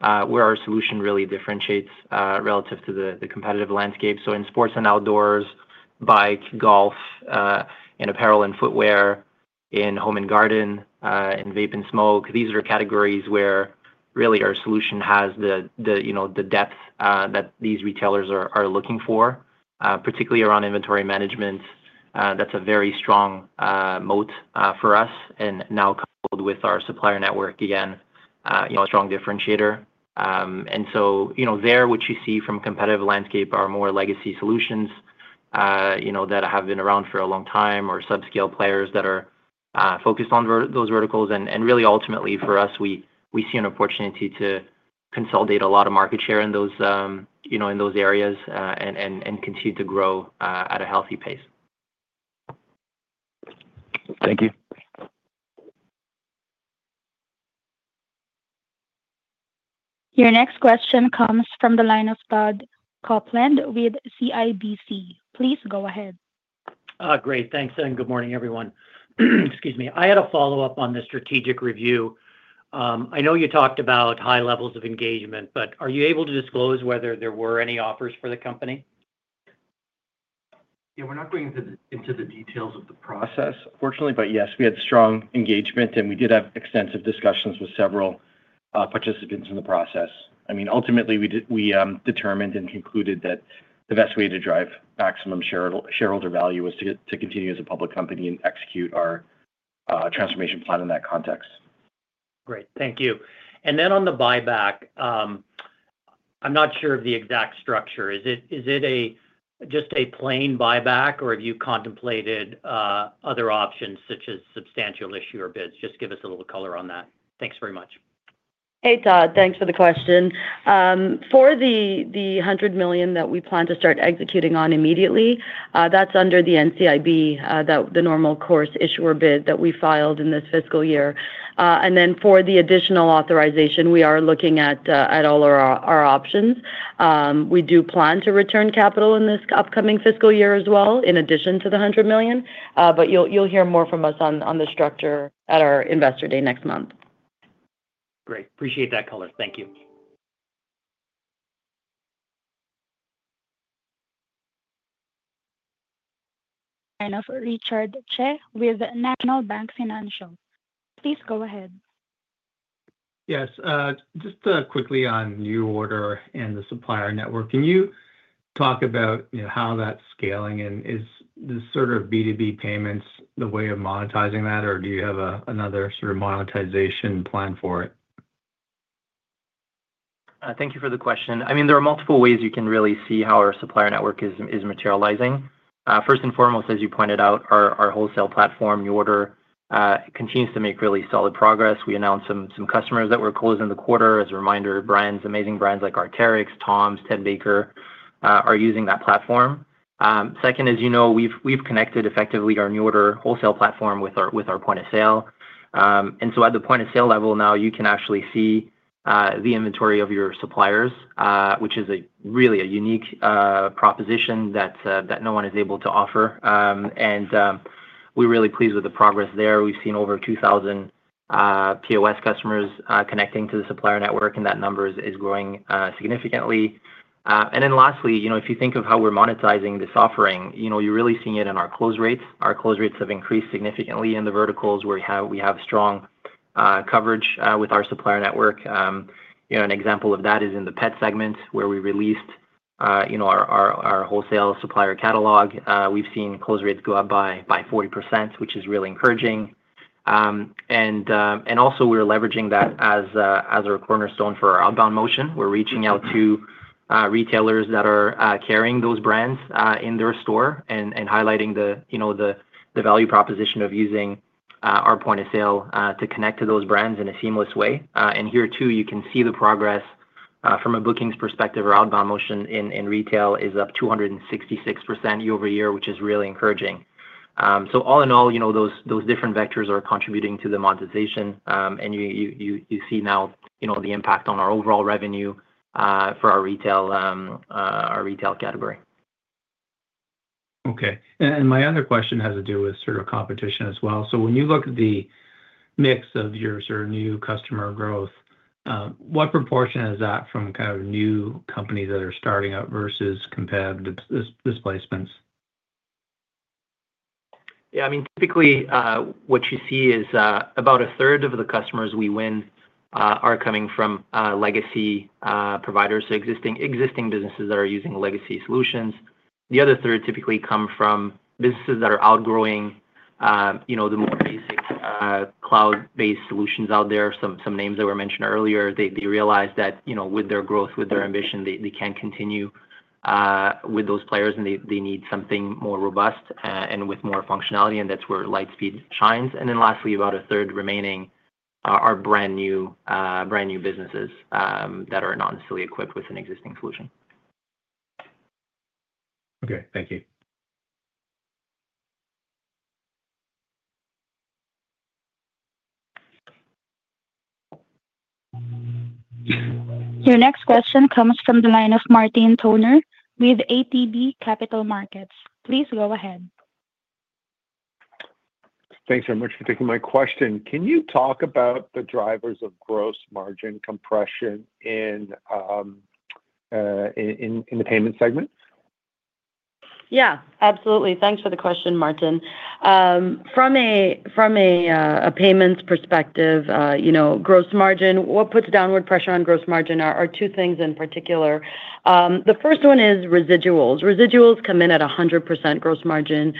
where our solution really differentiates relative to the competitive landscape. So in sports and outdoors, bike, golf, in apparel and footwear, in home and garden, in vape and smoke, these are categories where really our solution has the depth that these retailers are looking for, particularly around inventory management. That's a very strong moat for us and now coupled with our supplier network, again, you know, a strong differentiator. And so, you know, there, what you see from competitive landscape are more legacy solutions, you know, that have been around for a long time or subscale players that are focused on those verticals. And really, ultimately, for us, we see an opportunity to consolidate a lot of market share in those, you know, in those areas and continue to grow at a healthy pace. Thank you. Your next question comes from the line of Todd Coupland with CIBC. Please go ahead. Great. Thanks. And good morning, everyone. Excuse me. I had a follow-up on the strategic review. I know you talked about high levels of engagement, but are you able to disclose whether there were any offers for the company? Yeah, we're not going into the details of the process, unfortunately, but yes, we had strong engagement, and we did have extensive discussions with several participants in the process. I mean, ultimately, we determined and concluded that the best way to drive maximum shareholder value was to continue as a public company and execute our transformation plan in that context. Great. Thank you. And then on the buyback, I'm not sure of the exact structure. Is it just a plain buyback, or have you contemplated other options such as substantial issuer bids? Just give us a little color on that. Thanks very much. Hey, Todd, thanks for the question. For the $100 million that we plan to start executing on immediately, that's under the NCIB, the normal course issuer bid that we filed in this fiscal year. And then for the additional authorization, we are looking at all our options. We do plan to return capital in this upcoming fiscal year as well, in addition to the $100 million. But you'll hear more from us on the structure at our investor day next month. Great. Appreciate that color. Thank you. And for Richard Tse with National Bank Financial. Please go ahead. Yes. Just quickly on NuORDER and the supplier network, can you talk about how that's scaling? And is this sort of B2B payments the way of monetizing that, or do you have another sort of monetization plan for it? Thank you for the question. I mean, there are multiple ways you can really see how our supplier network is materializing. First and foremost, as you pointed out, our wholesale platform, NuORDER, continues to make really solid progress. We announced some customers that we're closing the quarter. As a reminder, brands, amazing brands like Arc'teryx, TOMS, Ted Baker are using that platform. Second, as you know, we've connected effectively our NuORDER wholesale platform with our point of sale. And so at the point of sale level now, you can actually see the inventory of your suppliers, which is really a unique proposition that no one is able to offer. We're really pleased with the progress there. We've seen over 2,000 POS customers connecting to the supplier network, and that number is growing significantly. Then lastly, you know, if you think of how we're monetizing this offering, you know, you're really seeing it in our close rates. Our close rates have increased significantly in the verticals where we have strong coverage with our supplier network. You know, an example of that is in the pet segment where we released, you know, our wholesale supplier catalog. We've seen close rates go up by 40%, which is really encouraging. Also, we're leveraging that as a cornerstone for our outbound motion. We're reaching out to retailers that are carrying those brands in their store and highlighting the value proposition of using our point of sale to connect to those brands in a seamless way. And here, too, you can see the progress from a bookings perspective. Our outbound motion in retail is up 266% year over year, which is really encouraging. So all in all, you know, those different vectors are contributing to the monetization. And you see now, you know, the impact on our overall revenue for our retail category. Okay. And my other question has to do with sort of competition as well. So when you look at the mix of your sort of new customer growth, what proportion is that from kind of new companies that are starting up versus competitive displacements? Yeah, I mean, typically, what you see is about a third of the customers we win are coming from legacy providers, existing businesses that are using legacy solutions. The other third typically come from businesses that are outgrowing, you know, the more basic cloud-based solutions out there. Some names that were mentioned earlier, they realize that, you know, with their growth, with their ambition, they can't continue with those players and they need something more robust and with more functionality. And that's where Lightspeed shines. And then lastly, about a third remaining, our brand new businesses that are not necessarily equipped with an existing solution. Okay. Thank you. Your next question comes from the line of Martin Toner with ATB Capital Markets. Please go ahead. Thanks very much for taking my question. Can you talk about the drivers of gross margin compression in the payment segment? Yeah, absolutely. Thanks for the question, Martin. From a payments perspective, you know, gross margin, what puts downward pressure on gross margin are two things in particular. The first one is residuals. Residuals come in at 100% gross margin.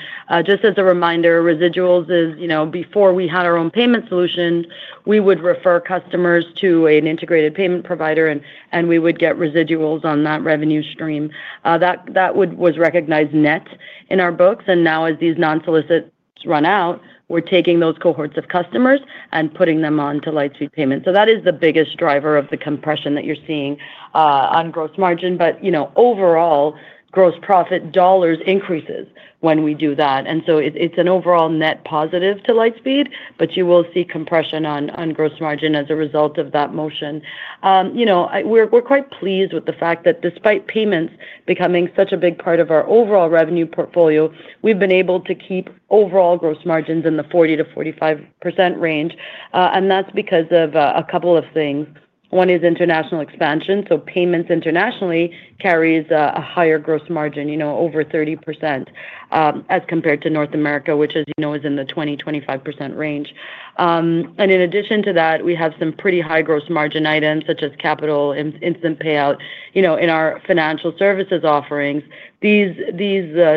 Just as a reminder, residuals is, you know, before we had our own payment solution, we would refer customers to an integrated payment provider and we would get residuals on that revenue stream. That was recognized net in our books. And now, as these non-solicits run out, we're taking those cohorts of customers and putting them onto Lightspeed Payments. So that is the biggest driver of the compression that you're seeing on gross margin. But, you know, overall, gross profit dollars increases when we do that. And so it's an overall net positive to Lightspeed, but you will see compression on gross margin as a result of that motion. You know, we're quite pleased with the fact that despite payments becoming such a big part of our overall revenue portfolio, we've been able to keep overall gross margins in the 40%-45% range. And that's because of a couple of things. One is international expansion. So payments internationally carries a higher gross margin, you know, over 30% as compared to North America, which, as you know, is in the 20%-25% range. And in addition to that, we have some pretty high gross margin items such as capital, instant payout, you know, in our financial services offerings. These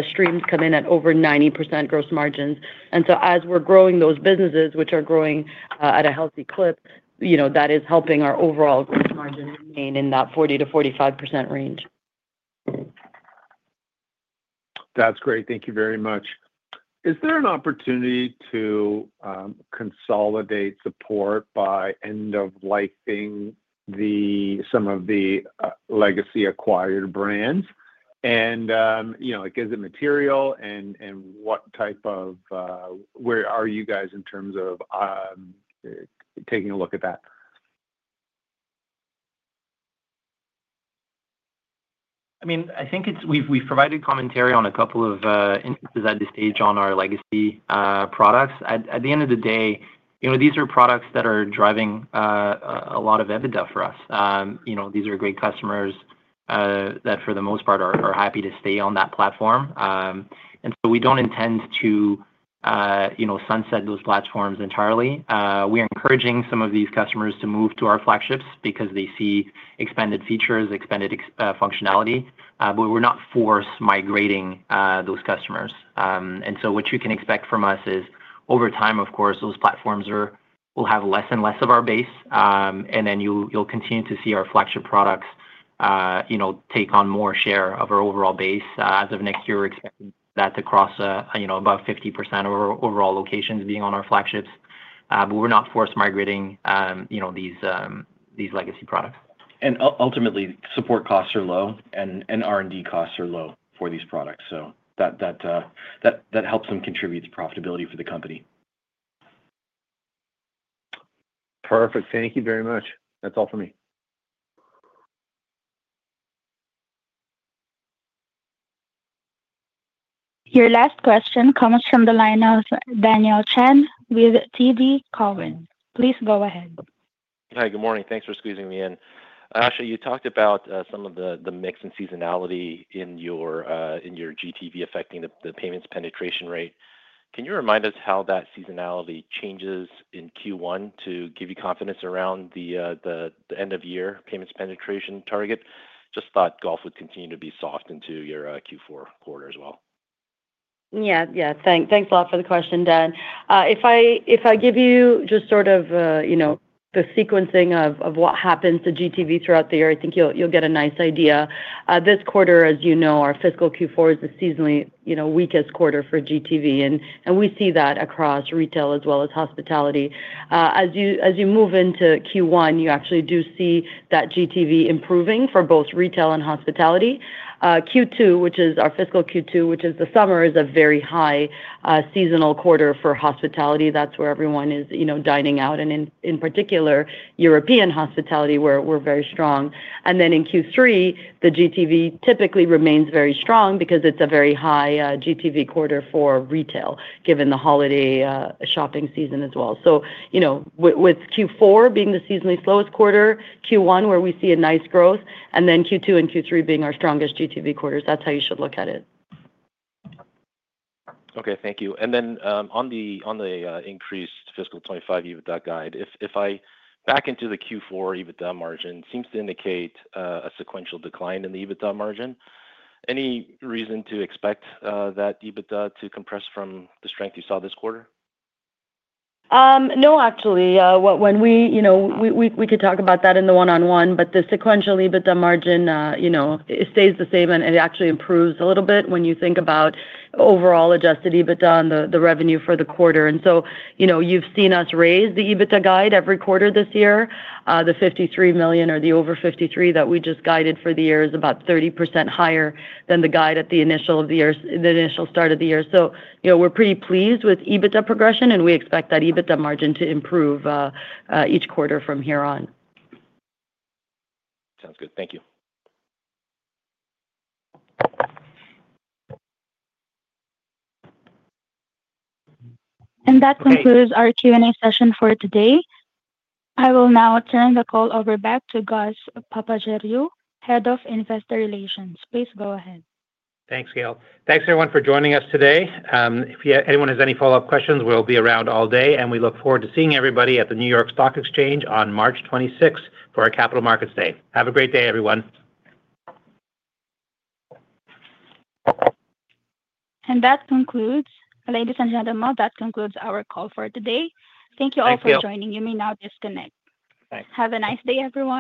streams come in at over 90% gross margins. And so as we're growing those businesses, which are growing at a healthy clip, you know, that is helping our overall gross margin remain in that 40%-45% range. That's great. Thank you very much. Is there an opportunity to consolidate support by end-of-lifing some of the legacy acquired brands? And, you know, like is it material and what type of, where are you guys in terms of taking a look at that? I mean, I think we've provided commentary on a couple of instances at this stage on our legacy products. At the end of the day, you know, these are products that are driving a lot of EBITDA for us. You know, these are great customers that, for the most part, are happy to stay on that platform. And so we don't intend to, you know, sunset those platforms entirely. We are encouraging some of these customers to move to our flagships because they see expanded features, expanded functionality, but we're not forced migrating those customers. And so what you can expect from us is, over time, of course, those platforms will have less and less of our base. And then you'll continue to see our flagship products, you know, take on more share of our overall base. As of next year, we're expecting that to cross, you know, about 50% of our overall locations being on our flagships. But we're not forced migrating, you know, these legacy products. And ultimately, support costs are low and R&D costs are low for these products. So that helps them contribute to profitability for the company. Perfect. Thank you very much. That's all for me. Your last question comes from the line of Daniel Chan with TD Cowen. Please go ahead. Hi, good morning. Thanks for squeezing me in. Asha, you talked about some of the mix and seasonality in your GTV affecting the payments penetration rate. Can you remind us how that seasonality changes in Q1 to give you confidence around the end-of-year payments penetration target? Just thought golf would continue to be soft into your Q4 quarter as well. Yeah, yeah. Thanks a lot for the question, Dan. If I give you just sort of, you know, the sequencing of what happens to GTV throughout the year, I think you'll get a nice idea. This quarter, as you know, our fiscal Q4 is the seasonally, you know, weakest quarter for GTV, and we see that across retail as well as hospitality. As you move into Q1, you actually do see that GTV improving for both retail and hospitality. Q2, which is our fiscal Q2, which is the summer, is a very high seasonal quarter for hospitality. That's where everyone is, you know, dining out, and in particular, European hospitality where we're very strong, and then in Q3, the GTV typically remains very strong because it's a very high GTV quarter for retail, given the holiday shopping season as well. So, you know, with Q4 being the seasonally slowest quarter, Q1 where we see a nice growth, and then Q2 and Q3 being our strongest GTV quarters, that's how you should look at it. Okay. Thank you. And then on the increased fiscal 2025 EBITDA guide, if I back into the Q4 EBITDA margin, it seems to indicate a sequential decline in the EBITDA margin. Any reason to expect that EBITDA to compress from the strength you saw this quarter? No, actually. When we, you know, we could talk about that in the one-on-one, but the sequential EBITDA margin, you know, it stays the same and it actually improves a little bit when you think about overall adjusted EBITDA and the revenue for the quarter. And so, you know, you've seen us raise the EBITDA guide every quarter this year. The $53 million or the over $53 that we just guided for the year is about 30% higher than the guide at the initial of the year, the initial start of the year. So, you know, we're pretty pleased with EBITDA progression and we expect that EBITDA margin to improve each quarter from here on. Sounds good. Thank you. And that concludes our Q&A session for today. I will now turn the call over back to Gus Papageorgiou, Head of Investor Relations. Please go ahead. Thanks, Gil. Thanks, everyone, for joining us today. If anyone has any follow-up questions, we'll be around all day. And we look forward to seeing everybody at the New York Stock Exchange on March 26 for our Capital Markets Day. Have a great day, everyone. And that concludes, ladies and gentlemen, that concludes our call for today. Thank you all for joining. You may now disconnect. Thanks. Have a nice day, everyone.